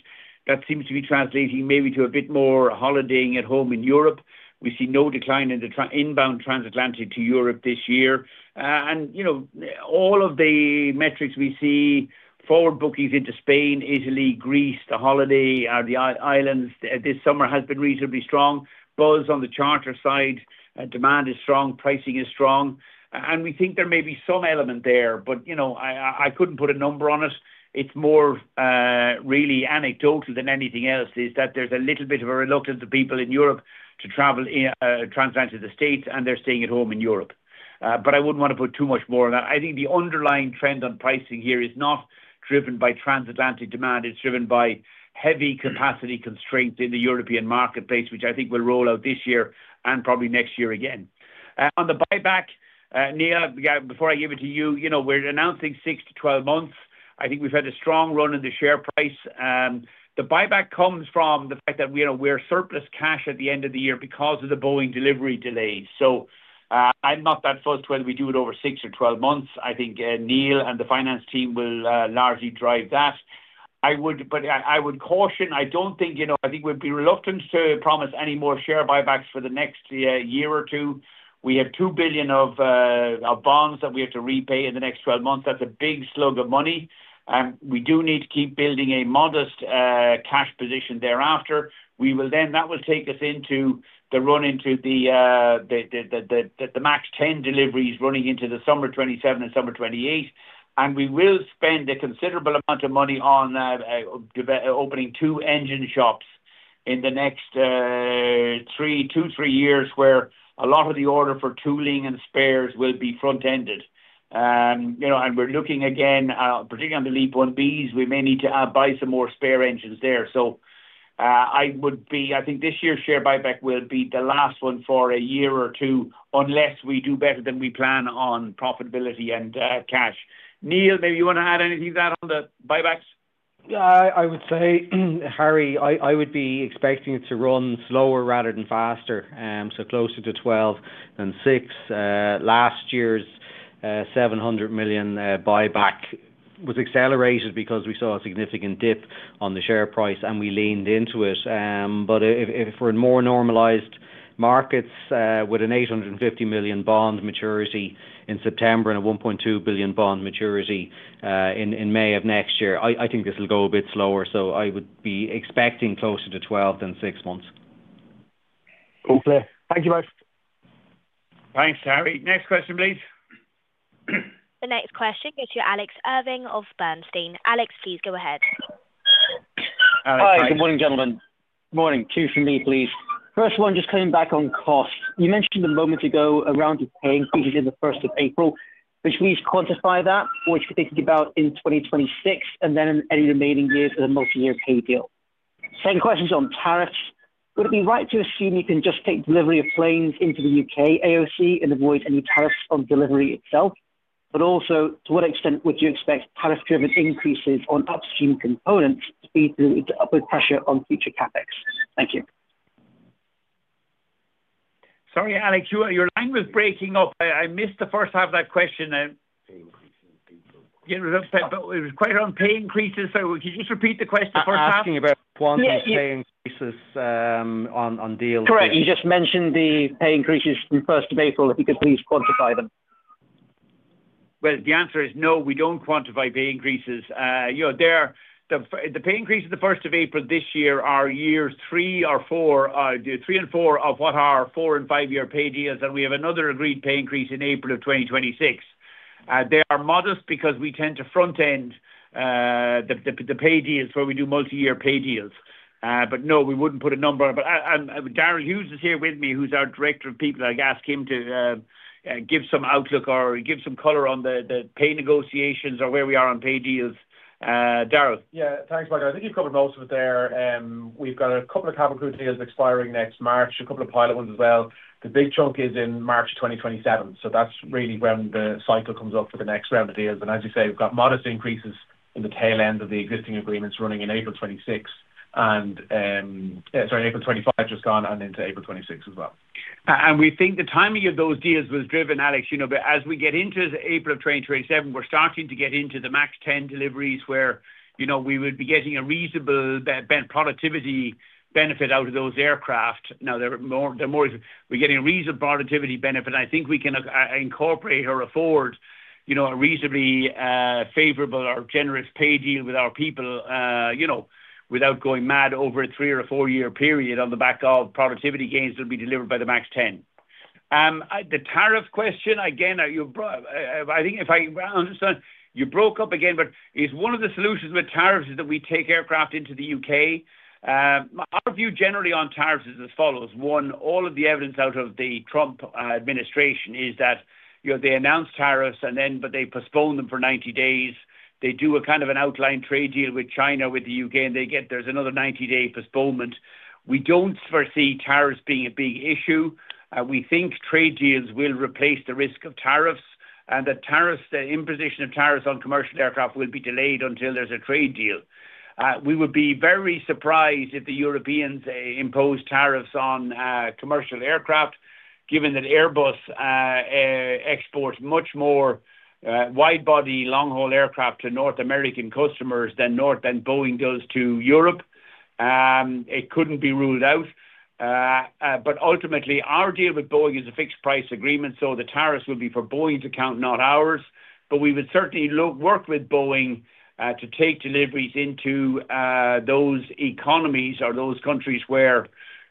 That seems to be translating maybe to a bit more holidaying at home in Europe. We see no decline in the inbound transatlantic to Europe this year. All of the metrics we see, forward bookings into Spain, Italy, Greece, the holiday, the islands this summer has been reasonably strong. Buzz on the charter side, demand is strong, pricing is strong. We think there may be some element there, but I couldn't put a number on it. It's more really anecdotal than anything else is that there's a little bit of a reluctance of people in Europe to travel transatlantic to the States, and they're staying at home in Europe. I wouldn't want to put too much more on that. I think the underlying trend on pricing here is not driven by transatlantic demand. It's driven by heavy capacity constraints in the European marketplace, which I think will roll out this year and probably next year again. On the buyback, Neil, before I give it to you, we're announcing 6-12 months. I think we've had a strong run in the share price. The buyback comes from the fact that we're surplus cash at the end of the year because of the Boeing delivery delays. I'm not that fussed whether we do it over 6 or 12 months. I think Neil and the finance team will largely drive that. I would caution, I do not think we would be reluctant to promise any more share buybacks for the next year or two. We have 2 billion of bonds that we have to repay in the next 12 months. That is a big slug of money. We do need to keep building a modest cash position thereafter. That will take us into the run into the MAX 10 deliveries running into the summer 2027 and summer 2028. We will spend a considerable amount of money on opening two engine shops in the next two to three years where a lot of the order for tooling and spares will be front-ended. We are looking again, particularly on the LEAP-1Bs, we may need to buy some more spare engines there. I think this year's share buyback will be the last one for a year or two unless we do better than we plan on profitability and cash. Neil, maybe you want to add anything to that on the buybacks? Yeah. I would say, Harry, I would be expecting it to run slower rather than faster, so closer to 12 than 6. Last year's 700 million buyback was accelerated because we saw a significant dip on the share price, and we leaned into it. If we're in more normalised markets with an 850 million bond maturity in September and an 1.2 billion bond maturity in May of next year, I think this will go a bit slower. I would be expecting closer to 12 than 6 months. Hopefully. Thank you both. Thanks, Harry. Next question, please. The next question goes to Alex Irving of Bernstein. Alex, please go ahead Hi. Good morning, gentlemen. Good morning. Two from me, please. First one, just coming back on cost. You mentioned a moment ago around the pay increases in the 1st of April. Would you please quantify that? What you're thinking about in 2026 and then in any remaining years as a multi-year pay deal? Second question is on tariffs. Would it be right to assume you can just take delivery of planes into the U.K. AOC and avoid any tariffs on delivery itself? Also, to what extent would you expect tariff-driven increases on upstream components to be the upward pressure on future CapEx? Thank you. Sorry, Alex, your line was breaking up. I missed the first half of that question. Pay increases in people. Yeah, but it was quite around pay increases. Could you just repeat the question? I'm asking about quantity pay increases on deals. Correct. You just mentioned the pay increases from 1st of April. If you could please quantify them. No, we do not quantify pay increases. The pay increases of 1st of April this year are year three or four, three and four of what are four and five-year pay deals. We have another agreed pay increase in April of 2026. They are modest because we tend to front-end the pay deals where we do multi-year pay deals. No, we would not put a number. Darrell Hughes is here with me, who is our Director of People. I have asked him to give some outlook or give some color on the pay negotiations or where we are on pay deals. Darrell. Yeah. Thanks, Michael. I think you have covered most of it there. We've got a couple of cabin crew group deals expiring next March, a couple of pilot ones as well. The big chunk is in March 2027. That is really when the cycle comes up for the next round of deals. As you say, we've got modest increases in the tail end of the existing agreements running in April 2025 just gone and into April 2026 as well. We think the timing of those deals was driven, Alex, but as we get into April of 2027, we're starting to get into the MAX 10 deliveries where we would be getting a reasonable productivity benefit out of those aircraft. Now, we're getting a reasonable productivity benefit. I think we can incorporate or afford a reasonably favorable or generous pay deal with our people without going mad over a three- or four-year period on the back of productivity gains that will be delivered by the MAX 10. The tariff question, again, I think if I understand, you broke up again, but is one of the solutions with tariffs is that we take aircraft into the U.K. Our view generally on tariffs is as follows. One, all of the evidence out of the Trump administration is that they announce tariffs and then, but they postpone them for 90 days. They do a kind of an outline trade deal with China, with the U.K., and there is another 90-day postponement. We do not foresee tariffs being a big issue. We think trade deals will replace the risk of tariffs and that imposition of tariffs on commercial aircraft will be delayed until there is a trade deal. We would be very surprised if the Europeans impose tariffs on commercial aircraft, given that Airbus exports much more widebody long-haul aircraft to North American customers than Boeing does to Europe. It could not be ruled out. Ultimately, our deal with Boeing is a fixed price agreement, so the tariffs will be for Boeing's account, not ours. We would certainly work with Boeing to take deliveries into those economies or those countries where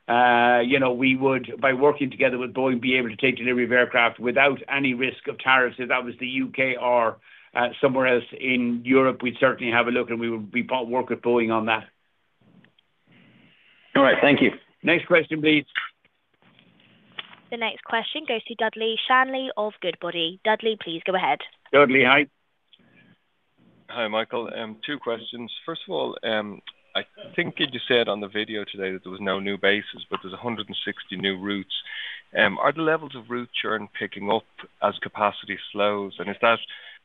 we would, by working together with Boeing, be able to take delivery of aircraft without any risk of tariffs. If that was the U.K. or somewhere else in Europe, we would certainly have a look, and we would work with Boeing on that. All right. Thank you. Next question, please. The next question goes to Dudley Shanley of Goodbody. Dudley, please go ahead. Dudley, hi. Hi, Michael. Two questions. First of all, I think you said on the video today that there were no new bases, but there were 160 new routes. Are the levels of route churn picking up as capacity slows? Is that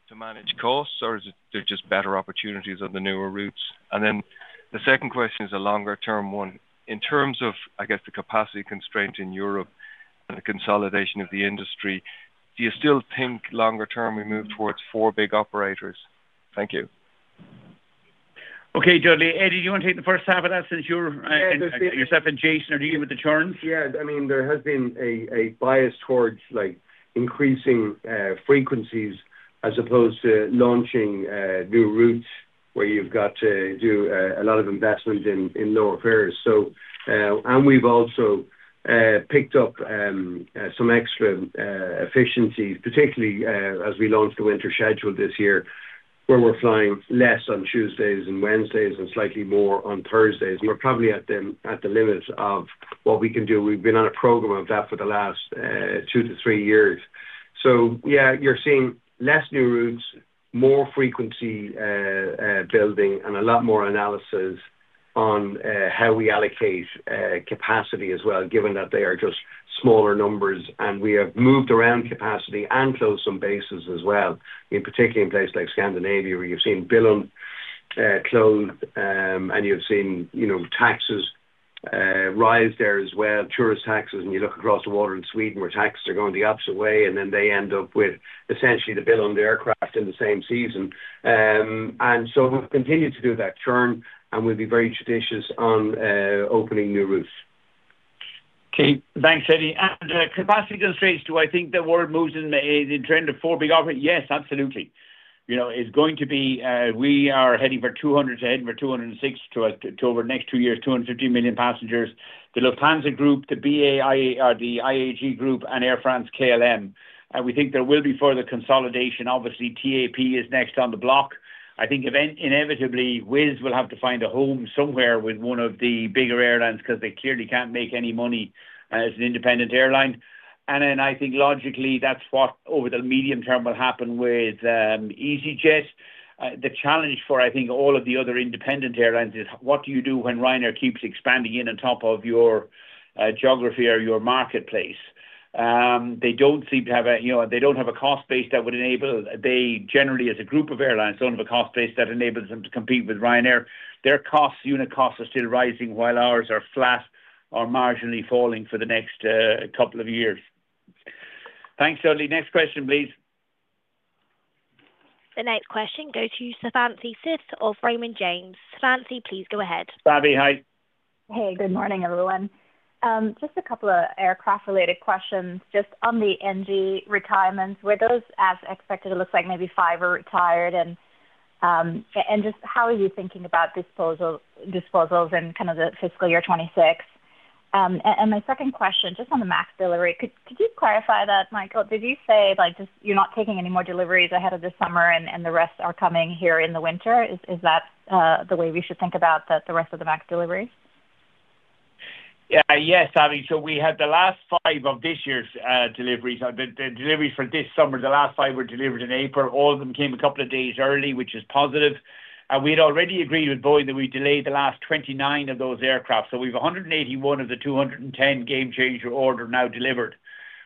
to manage costs, or are there just better opportunities on the newer routes? The second question is a longer-term one. In terms of, I guess, the capacity constraint in Europe and the consolidation of the industry, do you still think longer-term we move towards four big operators? Thank you. Okay. Dudley, Eddie, do you want to take the first half of that since you're yourself engaged in the churn? Yeah I mean, there has been a bias towards increasing frequencies as opposed to launching new routes where you've got to do a lot of investment in lower fares. We've also picked up some extra efficiencies, particularly as we launched the winter schedule this year, where we're flying less on Tuesdays and Wednesdays and slightly more on Thursdays. We're probably at the limit of what we can do. We've been on a program of that for the last two to three years. Yeah, you're seeing less new routes, more frequency building, and a lot more analysis on how we allocate capacity as well, given that they are just smaller numbers. We have moved around capacity and closed some bases as well, particularly in places like Scandinavia, where you've seen Billund closed, and you've seen taxes rise there as well, tourist taxes. You look across the water in Sweden where taxes are going the opposite way, and then they end up with essentially the bill on the aircraft in the same season. We will continue to do that churn, and we will be very judicious on opening new routes. Okay. Thanks, Eddie. Capacity constraints, do I think the world moves in the trend of four big operators? Yes, absolutely. It is going to be we are heading for 200, heading for 206 over the next two years, 250 million passengers. The Lufthansa Group, the IAG Group, and Air France-KLM. We think there will be further consolidation. Obviously, TAP is next on the block. I think inevitably, Wizz will have to find a home somewhere with one of the bigger airlines because they clearly cannot make any money as an independent airline. I think logically, that's what over the medium term will happen with EasyJet. The challenge for, I think, all of the other independent airlines is what do you do when Ryanair keeps expanding in on top of your geography or your marketplace? They don't seem to have a—they don't have a cost base that would enable—they generally, as a group of airlines, don't have a cost base that enables them to compete with Ryanair. Their unit costs are still rising, while ours are flat or marginally falling for the next couple of years. Thanks, Dudley. Next question, please. The next question goes to Savanthi Syth of James. Sophanzi, please go ahead. Savvy, hi. Hey. Good morning, everyone. Just a couple of aircraft-related questions. Just on the NG retirements, were those as expected? It looks like maybe five are retired? How are you thinking about disposals and kind of the fiscal year 2026? My second question, just on the MAX delivery, could you clarify that, Michael? Did you say you're not taking any more deliveries ahead of this summer and the rest are coming here in the winter? Is that the way we should think about the rest of the MAX deliveries? Yeah. Yes. We had the last five of this year's deliveries. The deliveries for this summer, the last five were delivered in April. All of them came a couple of days early, which is positive. We had already agreed with Boeing that we'd delay the last 29 of those aircraft. We have 181 of the 210 Gamechanger orders now delivered.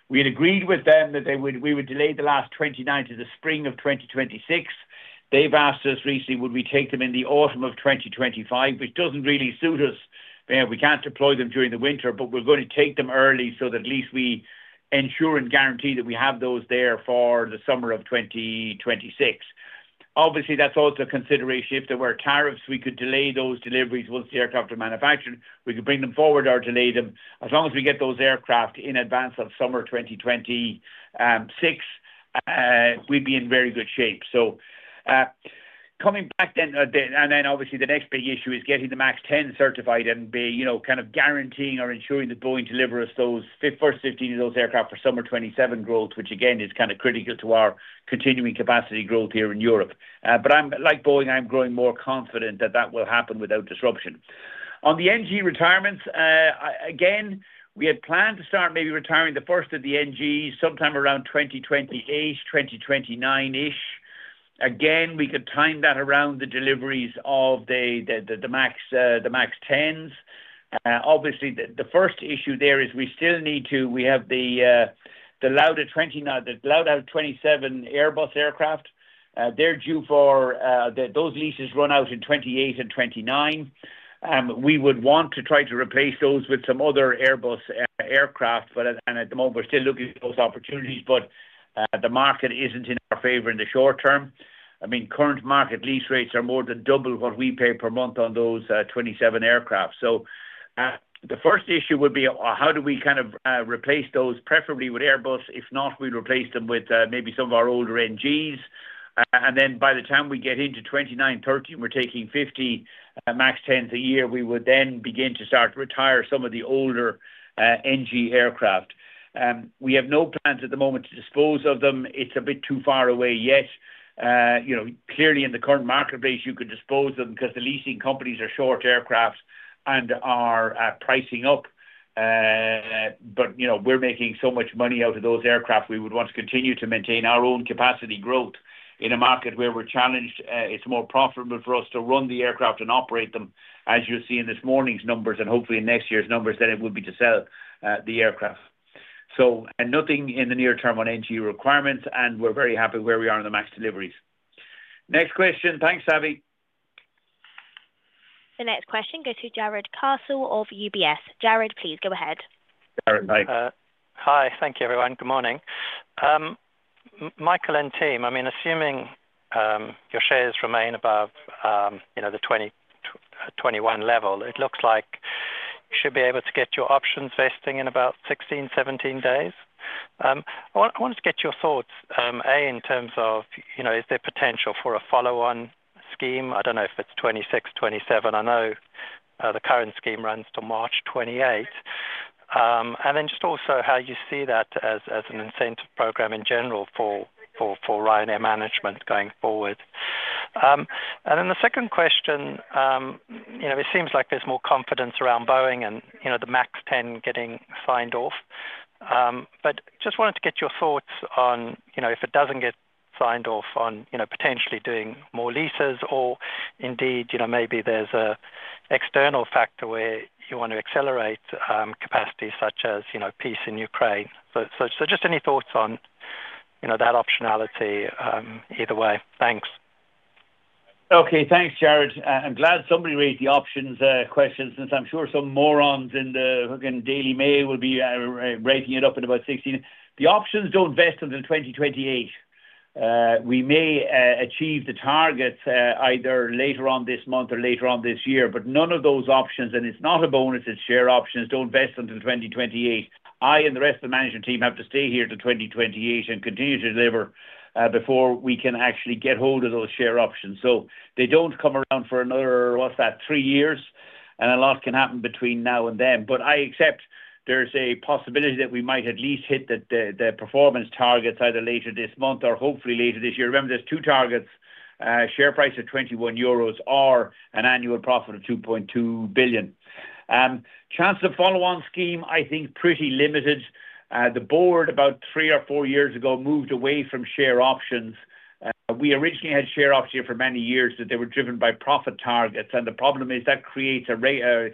We had agreed with them that we would delay the last 29 to the spring of 2026. They've asked us recently, would we take them in the autumn of 2025, which doesn't really suit us. We can't deploy them during the winter, but we're going to take them early so that at least we ensure and guarantee that we have those there for the summer of 2026. Obviously, that's also a consideration. If there were tariffs, we could delay those deliveries once the aircraft are manufactured. We could bring them forward or delay them. As long as we get those aircraft in advance of summer 2026, we'd be in very good shape. Coming back then a bit, and then obviously the next big issue is getting the MAX 10 certified and kind of guaranteeing or ensuring that Boeing delivers those first 15 of those aircraft for summer 2027 growth, which again is kind of critical to our continuing capacity growth here in Europe. Like Boeing, I'm growing more confident that that will happen without disruption. On the NG retirements, again, we had planned to start maybe retiring the first of the NGs sometime around 2028, 2029-ish. Again, we could time that around the deliveries of the MAX 10s. Obviously, the first issue there is we still need to, we have the Lauda 27 Airbus aircraft. Those leases run out in 2028 and 2029. We would want to try to replace those with some other Airbus aircraft, but at the moment, we're still looking at those opportunities. The market is not in our favor in the short term. I mean, current market lease rates are more than double what we pay per month on those 27 aircraft. The first issue would be how do we kind of replace those, preferably with Airbus. If not, we'd replace them with maybe some of our older NGs. By the time we get into 2029, 2030, and we're taking 50 MAX 10s a year, we would then begin to start to retire some of the older NG aircraft. We have no plans at the moment to dispose of them. It's a bit too far away yet. Clearly, in the current marketplace, you could dispose of them because the leasing companies are short aircraft and are pricing up. We are making so much money out of those aircraft, we would want to continue to maintain our own capacity growth in a market where we're challenged. It's more profitable for us to run the aircraft and operate them, as you're seeing this morning's numbers and hopefully next year's numbers, than it would be to sell the aircraft. Nothing in the near term on NG requirements, and we're very happy where we are on the max deliveries. Next question. Thanks, Savvy. The next question goes to Jarrod Castle of UBS. Jarrod, please go ahead. Jarrod, hi. Hi. Thank you, everyone. Good morning. Michael and team, I mean, assuming your shares remain above the 2021 level, it looks like you should be able to get your options vesting in about 16-17 days. I wanted to get your thoughts, A, in terms of is there potential for a follow-on scheme? I don't know if it's 2026, 2027. I know the current scheme runs till March 2028. Also, how you see that as an incentive program in general for Ryanair management going forward. The second question, it seems like there's more confidence around Boeing and the max 10 getting signed off. Just wanted to get your thoughts on if it does not get signed off on potentially doing more leases or indeed maybe there is an external factor where you want to accelerate capacity such as peace in Ukraine. Just any thoughts on that optionality either way. Thanks. Okay. Thanks, Jarrod. I am glad somebody raised the options questions since I am sure some morons in the Daily Mail will be raking it up in about 16. The options do not vest until 2028. We may achieve the targets either later on this month or later on this year, but none of those options, and it is not a bonus, it is share options, do not vest until 2028. I and the rest of the management team have to stay here until 2028 and continue to deliver before we can actually get hold of those share options. They do not come around for another, what is that, three years, and a lot can happen between now and then. I accept there is a possibility that we might at least hit the performance targets either later this month or hopefully later this year. Remember, there are two targets: share price at 21 euros or an annual profit of 2.2 billion. Chance of follow-on scheme, I think, pretty limited. The board about three or four years ago moved away from share options. We originally had share options here for many years that were driven by profit targets. The problem is that creates a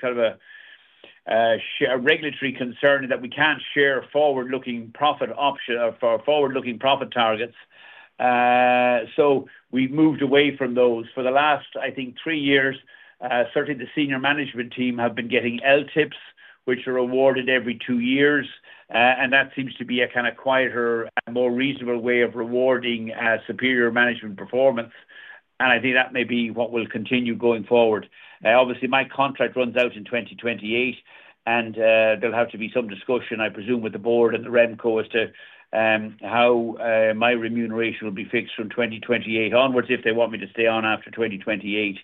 sort of a regulatory concern that we cannot share forward-looking profit targets. We have moved away from those. For the last, I think, three years, certainly the senior management team have been getting LTIPs, which are awarded every two years. That seems to be a kind of quieter, more reasonable way of rewarding superior management performance. I think that may be what will continue going forward. Obviously, my contract runs out in 2028, and there'll have to be some discussion, I presume, with the board and the Remco as to how my remuneration will be fixed from 2028 onwards if they want me to stay on after 2028.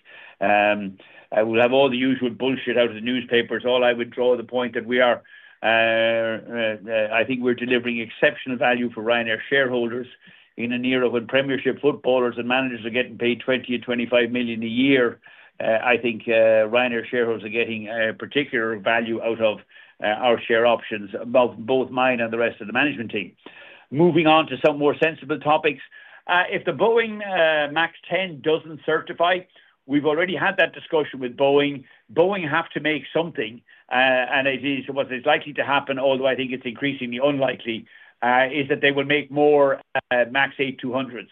I will have all the usual bullshit out of the newspapers. All I would draw the point that we are, I think we're delivering exceptional value for Ryanair shareholders in an era when premiership footballers and managers are getting paid $20 million and $25 million a year. I think Ryanair shareholders are getting a particular value out of our share options, both mine and the rest of the management team. Moving on to some more sensible topics. If the Boeing MAX 10 doesn't certify, we've already had that discussion with Boeing. Boeing have to make something. What is likely to happen, although I think it's increasingly unlikely, is that they will make more MAX 8200s.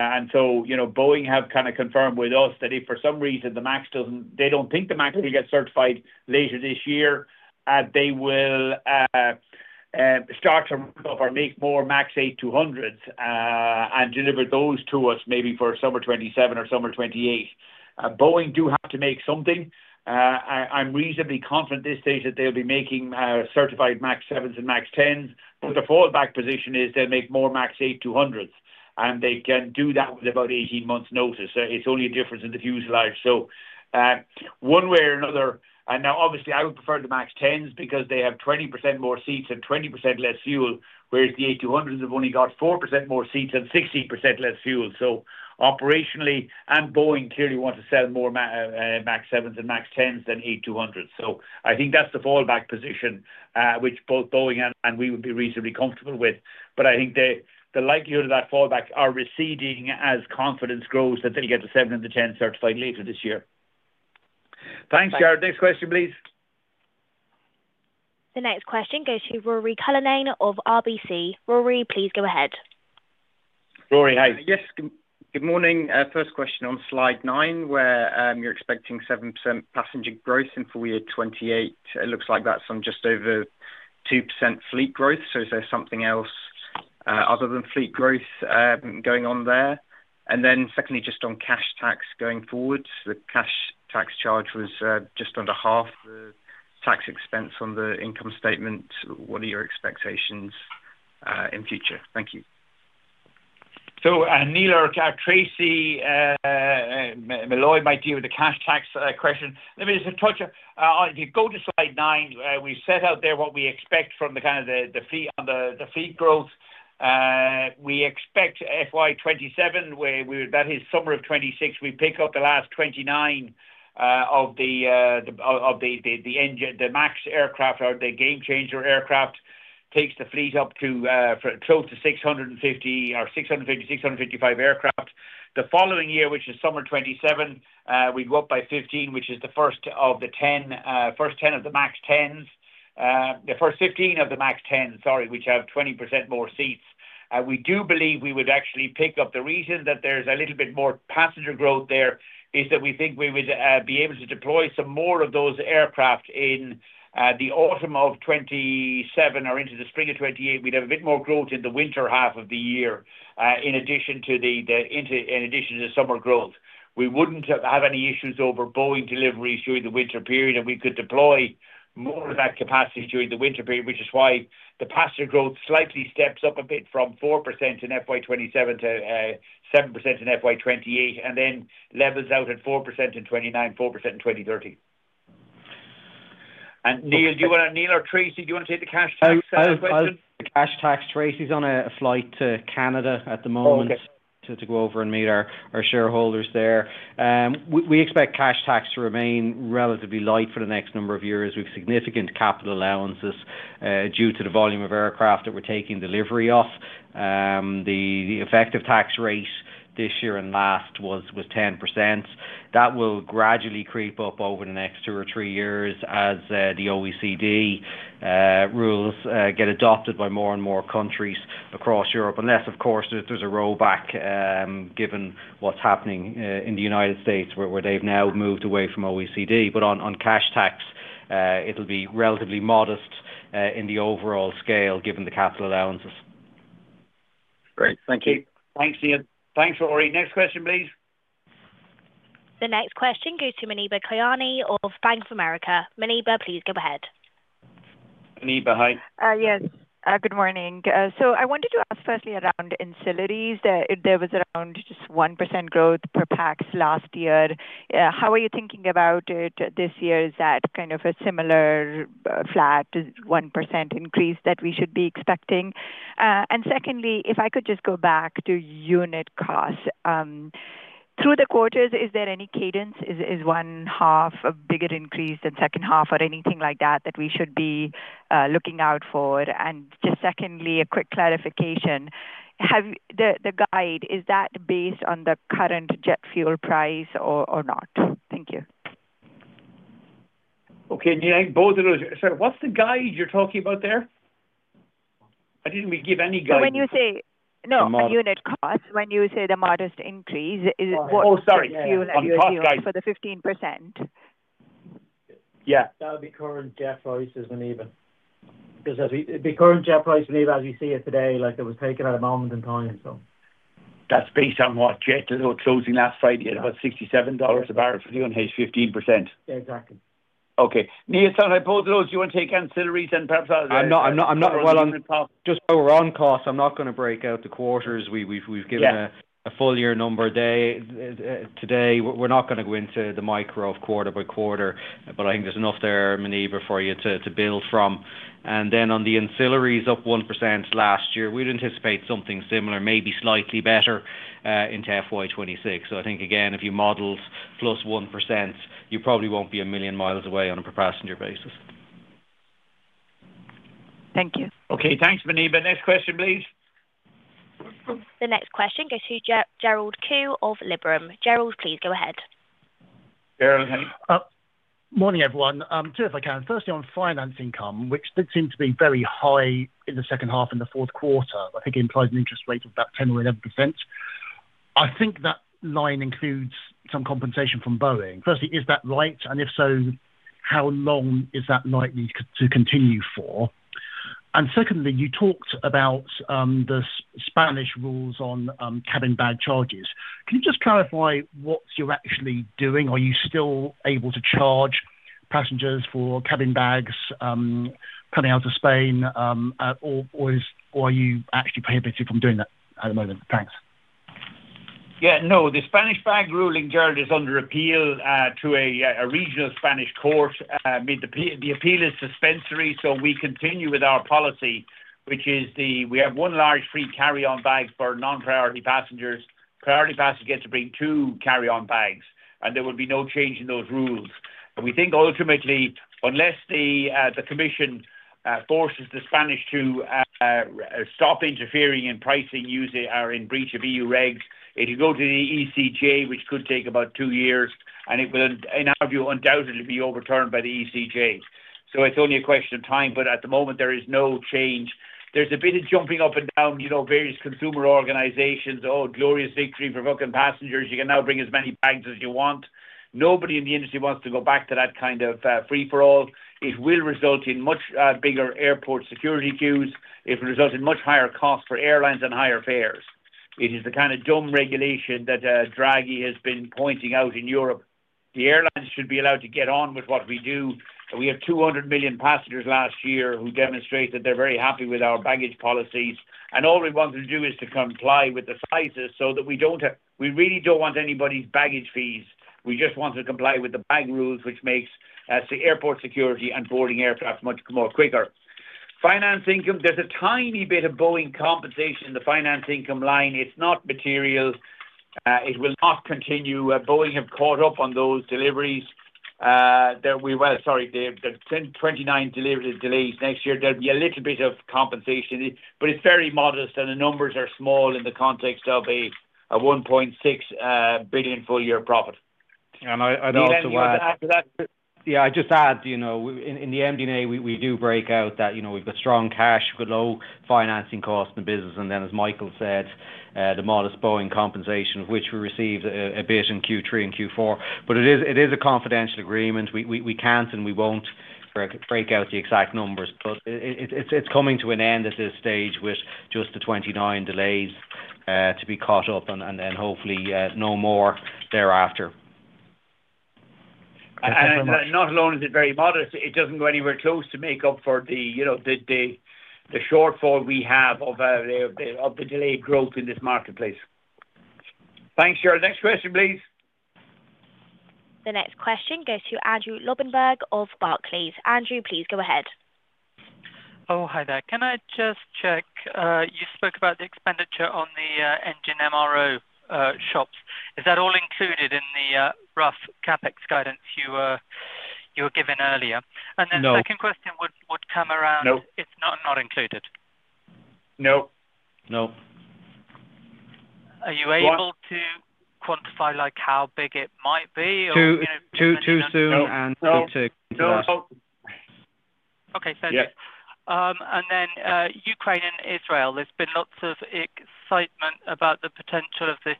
Boeing have kind of confirmed with us that if for some reason they don't think the MAX will get certified later this year, they will start to rip up or make more MAX 8200s and deliver those to us maybe for summer 2027 or summer 2028. Boeing do have to make something. I'm reasonably confident at this stage that they'll be making certified MAX 7s and MAX 10s. The fallback position is they'll make more MAX 8200s. They can do that with about 18 months notice. It's only a difference in the fuselage. One way or another. Obviously, I would prefer the MAX 10s because they have 20% more seats and 20% less fuel, whereas the 8200s have only got 4% more seats and 16% less fuel. Operationally, and Boeing clearly wants to sell more MAX 7s and MAX 10s than 8200s. I think that is the fallback position, which both Boeing and we would be reasonably comfortable with. I think the likelihood of that fallback are receding as confidence grows that they will get the 7 and the 10 certified later this year. Thanks, Jarrod. Next question, please. The next question goes to Rory Cullinan of RBC. Rory, please go ahead. Rory, hi. Yes. Good morning. First question on slide nine, where you are expecting 7% passenger growth in full year 2028. It looks like that is on just over 2% fleet growth. Is there something else other than fleet growth going on there? Secondly, just on cash tax going forward, the cash tax charge was just under half the tax expense on the income statement. What are your expectations in future? Thank you. Neil or Tracy Malloy might deal with the cash tax question. Let me just touch on if you go to slide nine, we set out there what we expect from the kind of the fleet on the fleet growth. We expect FY 2027, that is summer of 2026, we pick up the last 29 of the MAX aircraft or the Gamechanger aircraft, takes the fleet up to close to 650 or 650-655 aircraft. The following year, which is summer 2027, we go up by 15, which is the first 10, first 10 of the MAX 10s, the first 15 of the MAX 10s, sorry, which have 20% more seats. We do believe we would actually pick up. The reason that there's a little bit more passenger growth there is that we think we would be able to deploy some more of those aircraft in the autumn of 2027 or into the spring of 2028. We'd have a bit more growth in the winter half of the year in addition to the summer growth. We wouldn't have any issues over Boeing deliveries during the winter period, and we could deploy more of that capacity during the winter period, which is why the passenger growth slightly steps up a bit from 4% in FY 2027 to 7% in FY 2028, and then levels out at 4% in 2029, 4% in 2030. Neil, do you want to Neil or Tracy, do you want to take the cash tax question? The cash tax. Tracy's on a flight to Canada at the moment to go over and meet our shareholders there. We expect cash tax to remain relatively light for the next number of years. We have significant capital allowances due to the volume of aircraft that we're taking delivery of. The effective tax rate this year and last was 10%. That will gradually creep up over the next two or three years as the OECD rules get adopted by more and more countries across Europe. Unless, of course, there's a rollback given what's happening in the United States where they've now moved away from OECD. On cash tax, it'll be relatively modest in the overall scale given the capital allowances. Great. Thank you. Thanks, Neil. Thanks, Rory. Next question, please. The next question goes to Muneeba Kayani of Bank of America. Muneeba, please go ahead. Muneeba, hi. Yes. Good morning. I wanted to ask firstly around ancillaries. There was around just 1% growth per pax last year. How are you thinking about it this year? Is that kind of a similar flat 1% increase that we should be expecting? Secondly, if I could just go back to unit costs. Through the quarters, is there any cadence? Is 1.5 a bigger increase than second half or anything like that that we should be looking out for? Just secondly, a quick clarification. The guide, is that based on the current jet fuel price or not? Thank you. Okay. Neil, both of those. Sorry. What's the guide you're talking about there? I did not give any guide. When you say, no, unit cost, when you say the modest increase, is it what fuel and gas for the 15%? Yeah. That would be current jet prices when even. Because the current jet price when even, as we see it today, it was taken at a moment in time, so. That's based on what? Jet closing last Friday at about $67 a barrel for fuel. 15%. Exactly. Okay. Neil, it sounds like both of those, you want to take ancillaries and perhaps that. I'm not well on. Just over on cost, I'm not going to break out the quarters. We've given a full year number today. We're not going to go into the micro of quarter by quarter, but I think there's enough there, Muneeba, for you to build from. On the ancillaries of 1% last year, we'd anticipate something similar, maybe slightly better into FY 2026. I think, again, if you model +1%, you probably won't be a million miles away on a per passenger basis. Thank you. Okay. Thanks, Muneeba. Next question, please. The next question goes to Gerald Khoo of Liberum. Gerald, please go ahead. Gerald, hi. Morning, everyone. Two if I can. Firstly, on financing come, which did seem to be very high in the second half and the fourth quarter, I think it implies an interest rate of about 10% or 11%. I think that line includes some compensation from Boeing. Firstly, is that right? If so, how long is that likely to continue for? Secondly, you talked about the Spanish rules on cabin bag charges. Can you just clarify what you're actually doing? Are you still able to charge passengers for cabin bags coming out of Spain, or are you actually prohibited from doing that at the moment? Thanks. Yeah. No, the Spanish bag ruling, Gerald, is under appeal to a regional Spanish court. The appeal is suspensory, so we continue with our policy, which is we have one large free carry-on bag for non-priority passengers. Priority passengers get to bring two carry-on bags, and there will be no change in those rules. We think ultimately, unless the commission forces the Spanish to stop interfering in pricing or in breach of EU regs, it will go to the ECJ, which could take about two years, and it will, in our view, undoubtedly be overturned by the ECJ. It is only a question of time, but at the moment, there is no change. There is a bit of jumping up and down, various consumer organizations, "Oh, glorious victory for fucking passengers. You can now bring as many bags as you want." Nobody in the industry wants to go back to that kind of free-for-all. It will result in much bigger airport security queues. It will result in much higher costs for airlines and higher fares. It is the kind of dumb regulation that Draghi has been pointing out in Europe. The airlines should be allowed to get on with what we do. We had 200 million passengers last year who demonstrate that they're very happy with our baggage policies. All we want to do is to comply with the prices so that we really do not want anybody's baggage fees. We just want to comply with the bag rules, which makes airport security and boarding aircraft much more quicker. Finance income, there is a tiny bit of Boeing compensation in the finance income line. It is not material. It will not continue. Boeing have caught up on those deliveries. Sorry, the 29 deliveries delays next year, there'll be a little bit of compensation, but it's very modest, and the numbers are small in the context of a 1.6 billion full year profit. I'd also add to that. Yeah. I just add, in the MD&A, we do break out that we've got strong cash, we've got low financing costs in the business, and then, as Michael said, the modest Boeing compensation, which we received a bit in Q3 and Q4. It is a confidential agreement. We can't and we won't break out the exact numbers, but it's coming to an end at this stage with just the 29 delays to be caught up and hopefully no more thereafter. Not alone is it very modest, it doesn't go anywhere close to make up for the shortfall we have of the delayed growth in this marketplace. Thanks, Gerald. Next question, please. The next question goes to Andrew Lobbenberg of Barclays. Andrew, please go ahead. Oh, hi there. Can I just check? You spoke about the expenditure on the engine MRO shops. Is that all included in the rough CapEx guidance you were given earlier? The second question would come around. It's not included. No. No. Are you able to quantify how big it might be? Too soon and too fast. No. Okay. Ukraine and Israel, there's been lots of excitement about the potential of the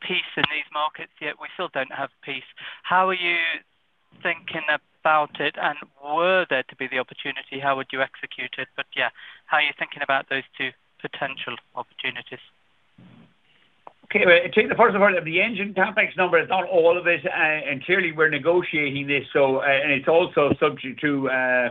peace in these markets, yet we still don't have peace. How are you thinking about it? Were there to be the opportunity, how would you execute it? Yeah, how are you thinking about those two potential opportunities? First of all, the engine CapEx number is not all of it. Clearly, we're negotiating this, and it's also subject to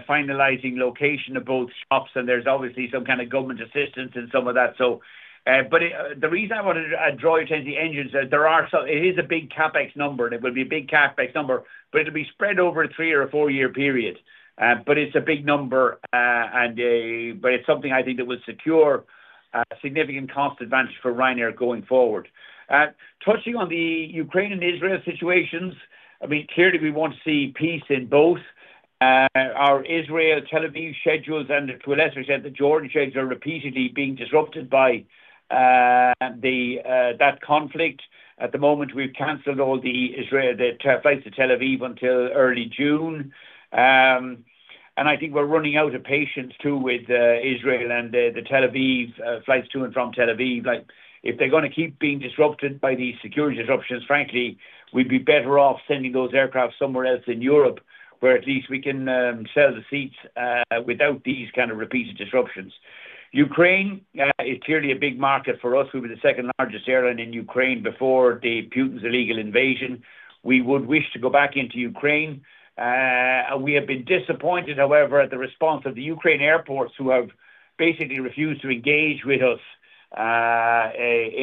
finalizing location of both shops, and there's obviously some kind of government assistance and some of that. The reason I want to draw your attention to the engine is that it is a big CapEx number, and it will be a big CapEx number, but it'll be spread over a three- or four-year period. It's a big number, but it's something I think that will secure significant cost advantage for Ryanair going forward. Touching on the Ukraine and Israel situations, I mean, clearly, we want to see peace in both. Our Israel-Tel Aviv schedules, and to a lesser extent, the Jordan schedules are repeatedly being disrupted by that conflict. At the moment, we've canceled all the flights to Tel Aviv until early June. I think we're running out of patience too with Israel and the Tel Aviv flights to and from Tel Aviv. If they're going to keep being disrupted by these security disruptions, frankly, we'd be better off sending those aircraft somewhere else in Europe where at least we can sell the seats without these kind of repeated disruptions. Ukraine is clearly a big market for us. We were the second largest airline in Ukraine before Putin's illegal invasion. We would wish to go back into Ukraine. We have been disappointed, however, at the response of the Ukraine airports who have basically refused to engage with us in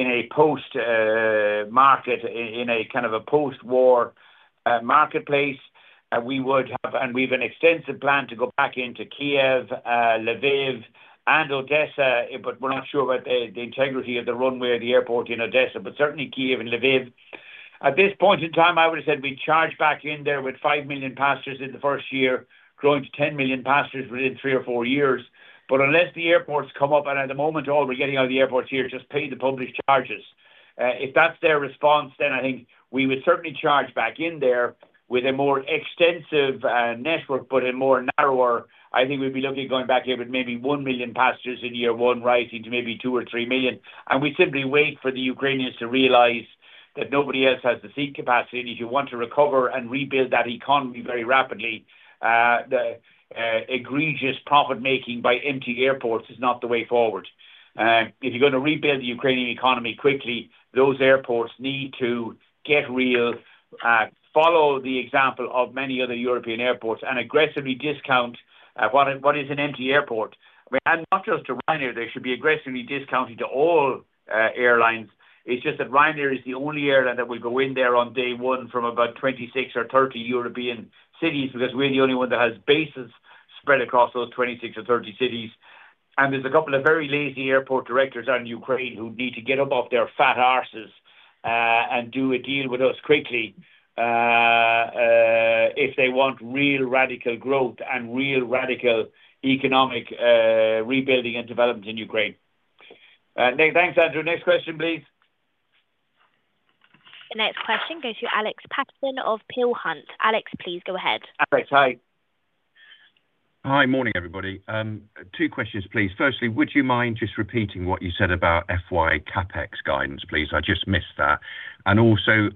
a post-market, in a kind of a post-war marketplace. We have an extensive plan to go back into Kiev, Lviv, and Odessa, but we're not sure about the integrity of the runway of the airport in Odessa, but certainly Kiev and Lviv. At this point in time, I would have said we'd charge back in there with 5 million passengers in the first year, growing to 10 million passengers within three or four years. Unless the airports come up, and at the moment, all we're getting out of the airports here is just pay the public charges. If that's their response, I think we would certainly charge back in there with a more extensive network, but a more narrower. I think we'd be looking at going back in with maybe 1 million passengers in year one, rising to maybe 2 million or 3 million. We simply wait for the Ukrainians to realize that nobody else has the seat capacity. If you want to recover and rebuild that economy very rapidly, the egregious profit-making by empty airports is not the way forward. If you're going to rebuild the Ukrainian economy quickly, those airports need to get real, follow the example of many other European airports, and aggressively discount what is an empty airport. Not just to Ryanair, they should be aggressively discounting to all airlines. It's just that Ryanair is the only airline that will go in there on day one from about 26 or 30 European cities because we're the only one that has bases spread across those 26 or 30 cities. There are a couple of very lazy airport directors out in Ukraine who need to get up off their fat arses and do a deal with us quickly if they want real radical growth and real radical economic rebuilding and development in Ukraine. Thanks, Andrew. Next question, please. The next question goes to Alex Paterson of Peel Hunt. Alex, please go ahead. Alex, hi. Hi, morning, everybody. Two questions, please. Firstly, would you mind just repeating what you said about FY CapEx guidance, please? I just missed that. I also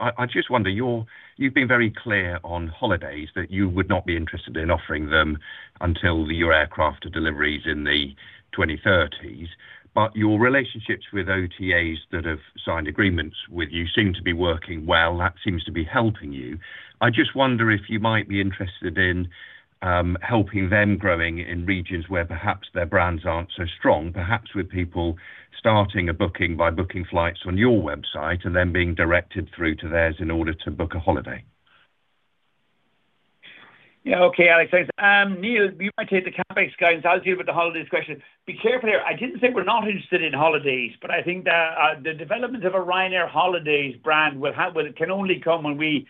wonder, you've been very clear on holidays that you would not be interested in offering them until your aircraft deliveries in the 2030s. Your relationships with OTAs that have signed agreements with you seem to be working well. That seems to be helping you. I just wonder if you might be interested in helping them growing in regions where perhaps their brands aren't so strong, perhaps with people starting a booking by booking flights on your website and then being directed through to theirs in order to book a holiday. Yeah. Okay, Alex. Neil, you might take the CapEx guidance. I'll deal with the holidays question. Be careful here. I didn't say we're not interested in holidays, but I think the development of a Ryanair holidays brand can only come when we,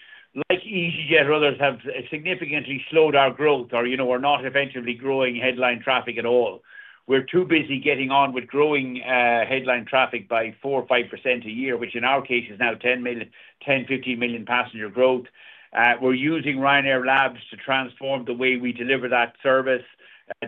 like EasyJet or others, have significantly slowed our growth or are not eventually growing headline traffic at all. We're too busy getting on with growing headline traffic by 4% or 5% a year, which in our case is now 10 million-15 million passenger growth. We're using Ryanair Labs to transform the way we deliver that service,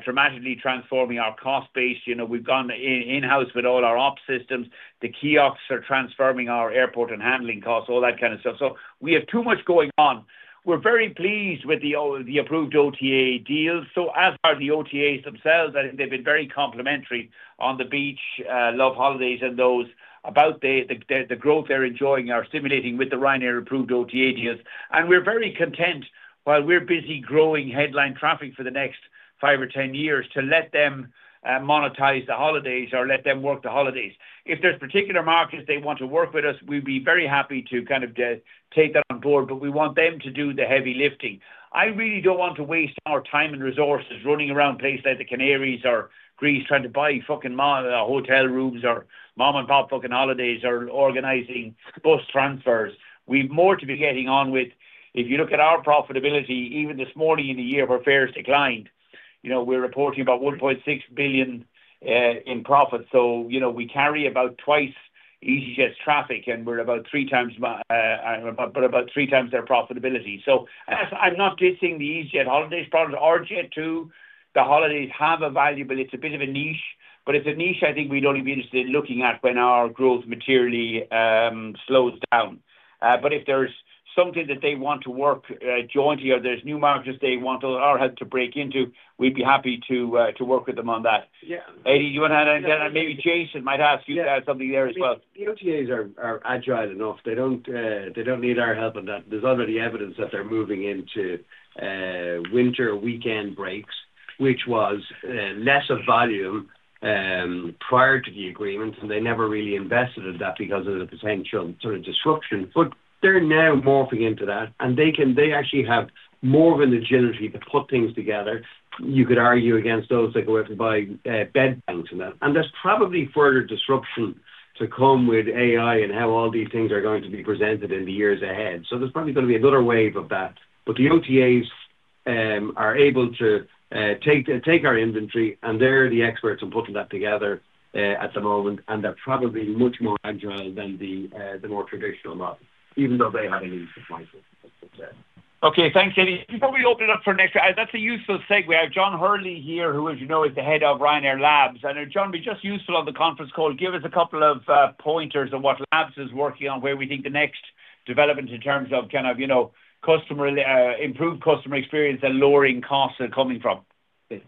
dramatically transforming our cost base. We've gone in-house with all our ops systems. The kiosks are transforming our airport and handling costs, all that kind of stuff. We have too much going on. We're very pleased with the approved OTA deals, as are the OTAs themselves. I think they've been very complimentary. On the Beach, Love Holidays, and those about the growth they're enjoying are stimulating with the Ryanair approved OTA deals. We're very content, while we're busy growing headline traffic for the next five years or 10 years, to let them monetize the holidays or let them work the holidays. If there's particular markets they want to work with us, we'd be very happy to kind of take that on board, but we want them to do the heavy lifting. I really don't want to waste our time and resources running around places like the Canaries or Greece trying to buy fucking hotel rooms or mom-and-pop fucking holidays or organizing bus transfers. We have more to be getting on with. If you look at our profitability, even this morning in the year, where fares declined, we're reporting about 1.6 billion in profits. We carry about twice EasyJet's traffic, and we're about three times, but about three times their profitability. I'm not dissing the EasyJet holidays product. Our Jet2, the holidays have a valuable, it's a bit of a niche, but it's a niche I think we'd only be interested in looking at when our growth materially slows down. If there's something that they want to work jointly or there's new markets they want our help to break into, we'd be happy to work with them on that. Eddie, do you want to add anything to that? Maybe Jason might ask you something there as well. The OTAs are agile enough. They do not need our help on that. There is already evidence that they are moving into winter weekend breaks, which was less of a volume prior to the agreement, and they never really invested in that because of the potential sort of disruption. They are now morphing into that, and they actually have more of a legitimacy to put things together. You could argue against those that go out to buy bed banks and that. There is probably further disruption to come with AI and how all these things are going to be presented in the years ahead. There is probably going to be another wave of that. The OTAs are able to take our inventory, and they're the experts in putting that together at the moment, and they're probably much more agile than the more traditional model, even though they haven't been successful. Okay. Thanks, Eddie. You probably opened it up for next week. That's a useful segue. I have John Hurley here, who, as you know, is the Head of Ryanair Labs. And John, be just useful on the conference call. Give us a couple of pointers on what Labs is working on, where we think the next development in terms of kind of improved customer experience and lowering costs are coming from.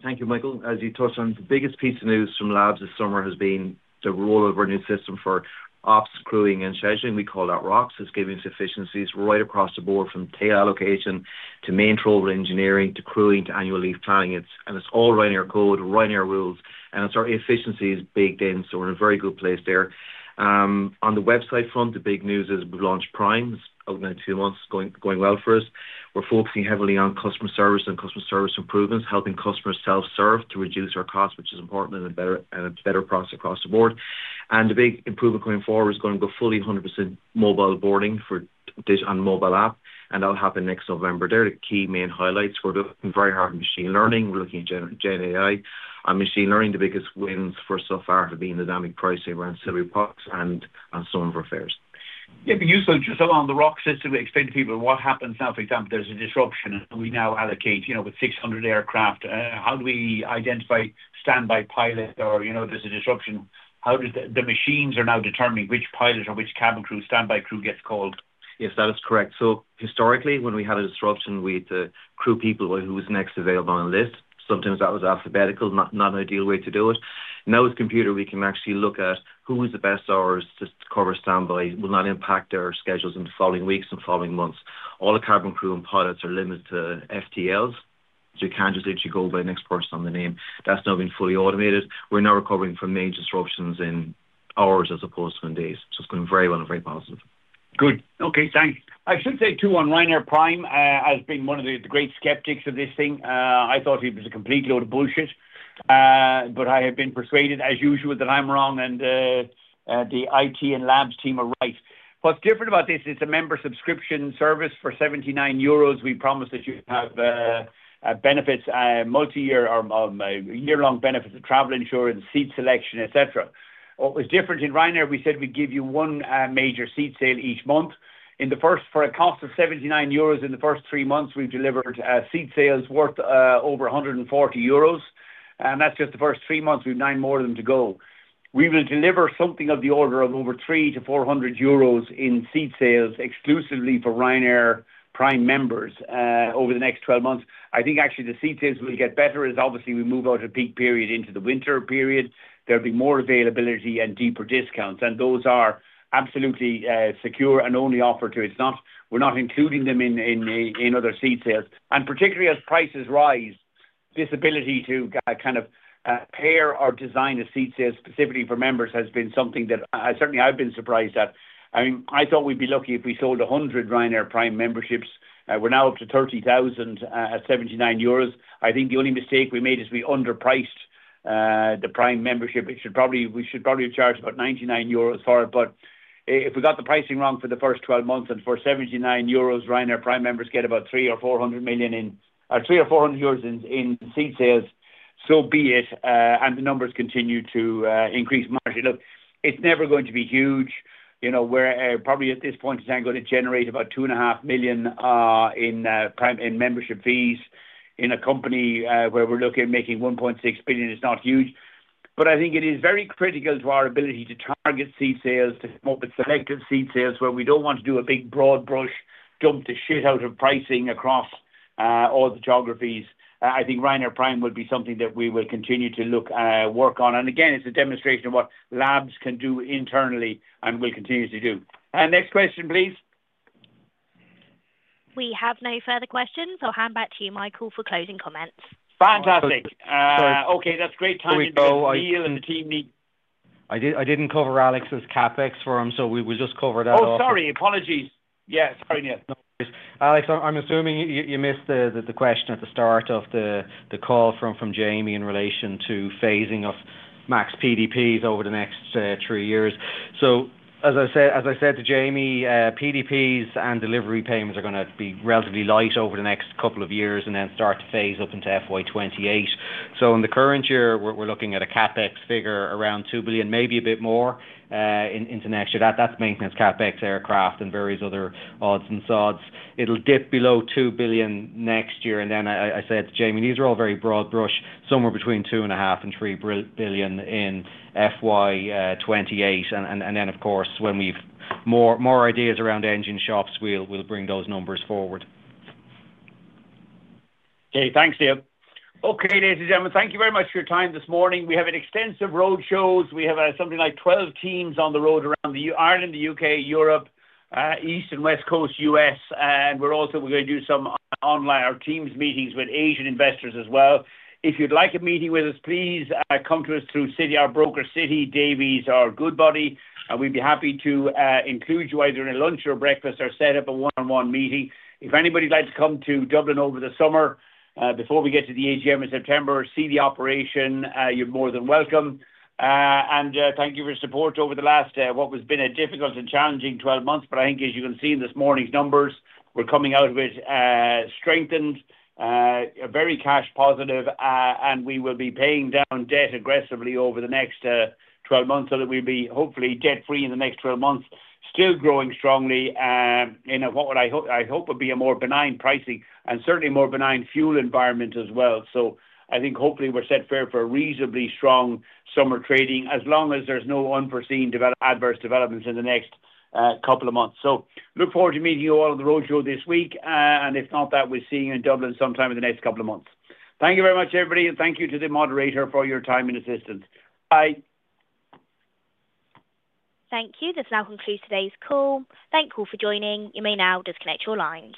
Thank you, Michael. As you touched on, the biggest piece of news from Labs this summer has been the roll of our new system for ops, crewing, and scheduling. We call that ROCS. It's giving us efficiencies right across the board from tail allocation to main trouble engineering to crawing to annual leave planning. It's all Ryanair code, Ryanair rules, and our efficiency is baked in, so we're in a very good place there. On the website front, the big news is we've launched Prime. It's opened in two months, going well for us. We're focusing heavily on customer service and customer service improvements, helping customers self-serve to reduce our costs, which is important and a better price across the board. The big improvement going forward is going to go fully 100% mobile boarding and mobile app, and that'll happen next November. They're the key main highlights. We're working very hard on machine learning. We're looking at GenAI and machine learning. The biggest wins for so far have been the dynamic pricing around Silvery Pucks and some of our fares. Yeah. You said just along the ROCS system, we explain to people what happens now, for example, there's a disruption and we now allocate with 600 aircraft. How do we identify standby pi lot or there's a disruption? The machines are now determining which pilot or which cabin crew, standby crew gets called. Yes, that is correct. Historically, when we had a disruption, we had to crew people who was next available on the list. Sometimes that was alphabetical, not an ideal way to do it. Now with computer, we can actually look at who is the best hours to cover standby. Will not impact our schedules in the following weeks and following months. All the cabin crew and pilots are limited to FTLs, so you can't just let you go by next person on the name. That's now been fully automated. We're now recovering from major disruptions in hours as opposed to in days. It is going very well and very positive. Good. Okay. Thanks. I should say too on Ryanair Prime, I have been one of the great skeptics of this thing. I thought it was a complete load of bullshit, but I have been persuaded, as usual, that I am wrong and the IT and labs team are right. What is different about this is it is a member subscription service for 79 euros. We promise that you have benefits, multi-year or year-long benefits of travel insurance, seat selection, etc. What was different in Ryanair, we said we would give you one major seat sale each month. For a cost of 79 euros in the first three months, we have delivered seat sales worth over 140 euros. That is just the first three months. We have nine more of them to go. We will deliver something of the order of over 300-400 euros in seat sales exclusively for Ryanair Prime members over the next 12 months. I think actually the seat sales will get better as obviously we move out of peak period into the winter period. There will be more availability and deeper discounts, and those are absolutely secure and only offered to. We are not including them in other seat sales. Particularly as prices rise, this ability to kind of pair or design a seat sale specifically for members has been something that certainly I have been surprised at. I mean, I thought we would be lucky if we sold 100 Ryanair Prime memberships. We are now up to 30,000 at 79 euros. I think the only mistake we made is we underpriced the Prime membership. We should probably have charged about 99 euros for it, but if we got the pricing wrong for the first 12 months and for 79 euros, Ryanair Prime members get about 300 million or 400 million in or 300 or 400 years in seat sales. So be it, and the numbers continue to increase margin. Look, it's never going to be huge. We're probably at this point in time going to generate about 2.5 million in membership fees in a company where we're looking at making 1.6 billion. It's not huge, but I think it is very critical to our ability to target seat sales, to help with selective seat sales where we don't want to do a big broad brush, dump the shit out of pricing across all the geographies. I think Ryanair Prime would be something that we will continue to work on. It's a demonstration of what Labs can do internally and will continue to do. Next question, please. We have no further questions, so hand back to you, Michael, for closing comments. Fantastic. Okay. That's great timing. Neil and the team need. I didn't cover Alex's CapEx for him, so we will just cover that. Oh, sorry. Apologies. Yeah. Sorry, Neil. No worries. Alex, I'm assuming you missed the question at the start of the call from Jaime in relation to phasing of MAX PDPs over the next three years. As I said to Jaime, PDPs and delivery payments are going to be relatively light over the next couple of years and then start to phase up into FY 2028. In the current year, we're looking at a CapEx figure around 2 billion, maybe a bit more into next year. That's maintenance CapEx, aircraft, and various other odds and sods. It'll dip below 2 billion next year. I said to Jaime, these are all very broad brush, somewhere between 2.5 billion-3 billion in FY 2028. Of course, when we have more ideas around engine shops, we'll bring those numbers forward. Okay. Thanks, Neil. Okay, ladies and gentlemen, thank you very much for your time this morning. We have extensive road shows. We have something like 12 teams on the road around Ireland, the U.K., Europe, East and West Coast, U.S. We are also going to do some online or Teams meetings with Asian investors as well. If you'd like a meeting with us, please come to us through Citi, our broker Citi. Davies are a good buddy, and we'd be happy to include you either in a lunch or breakfast or set up a one-on-one meeting. If anybody'd like to come to Dublin over the summer before we get to the AGM in September, see the operation. You're more than welcome. Thank you for your support over the last, what has been a difficult and challenging 12 months, but I think as you can see in this morning's numbers, we're coming out of it strengthened, very cash positive, and we will be paying down debt aggressively over the next 12 months so that we'll be hopefully debt-free in the next 12 months, still growing strongly in what I hope would be a more benign pricing and certainly more benign fuel environment as well. I think hopefully we're set for a reasonably strong summer trading as long as there's no unforeseen adverse developments in the next couple of months. Look forward to meeting you all at the road show this week, and if not, that we'll see you in Dublin sometime in the next couple of months. Thank you very much, everybody, and thank you to the moderator for your time and assistance. Bye. Thank you. This now concludes today's call. Thank you all for joining. You may now disconnect your lines.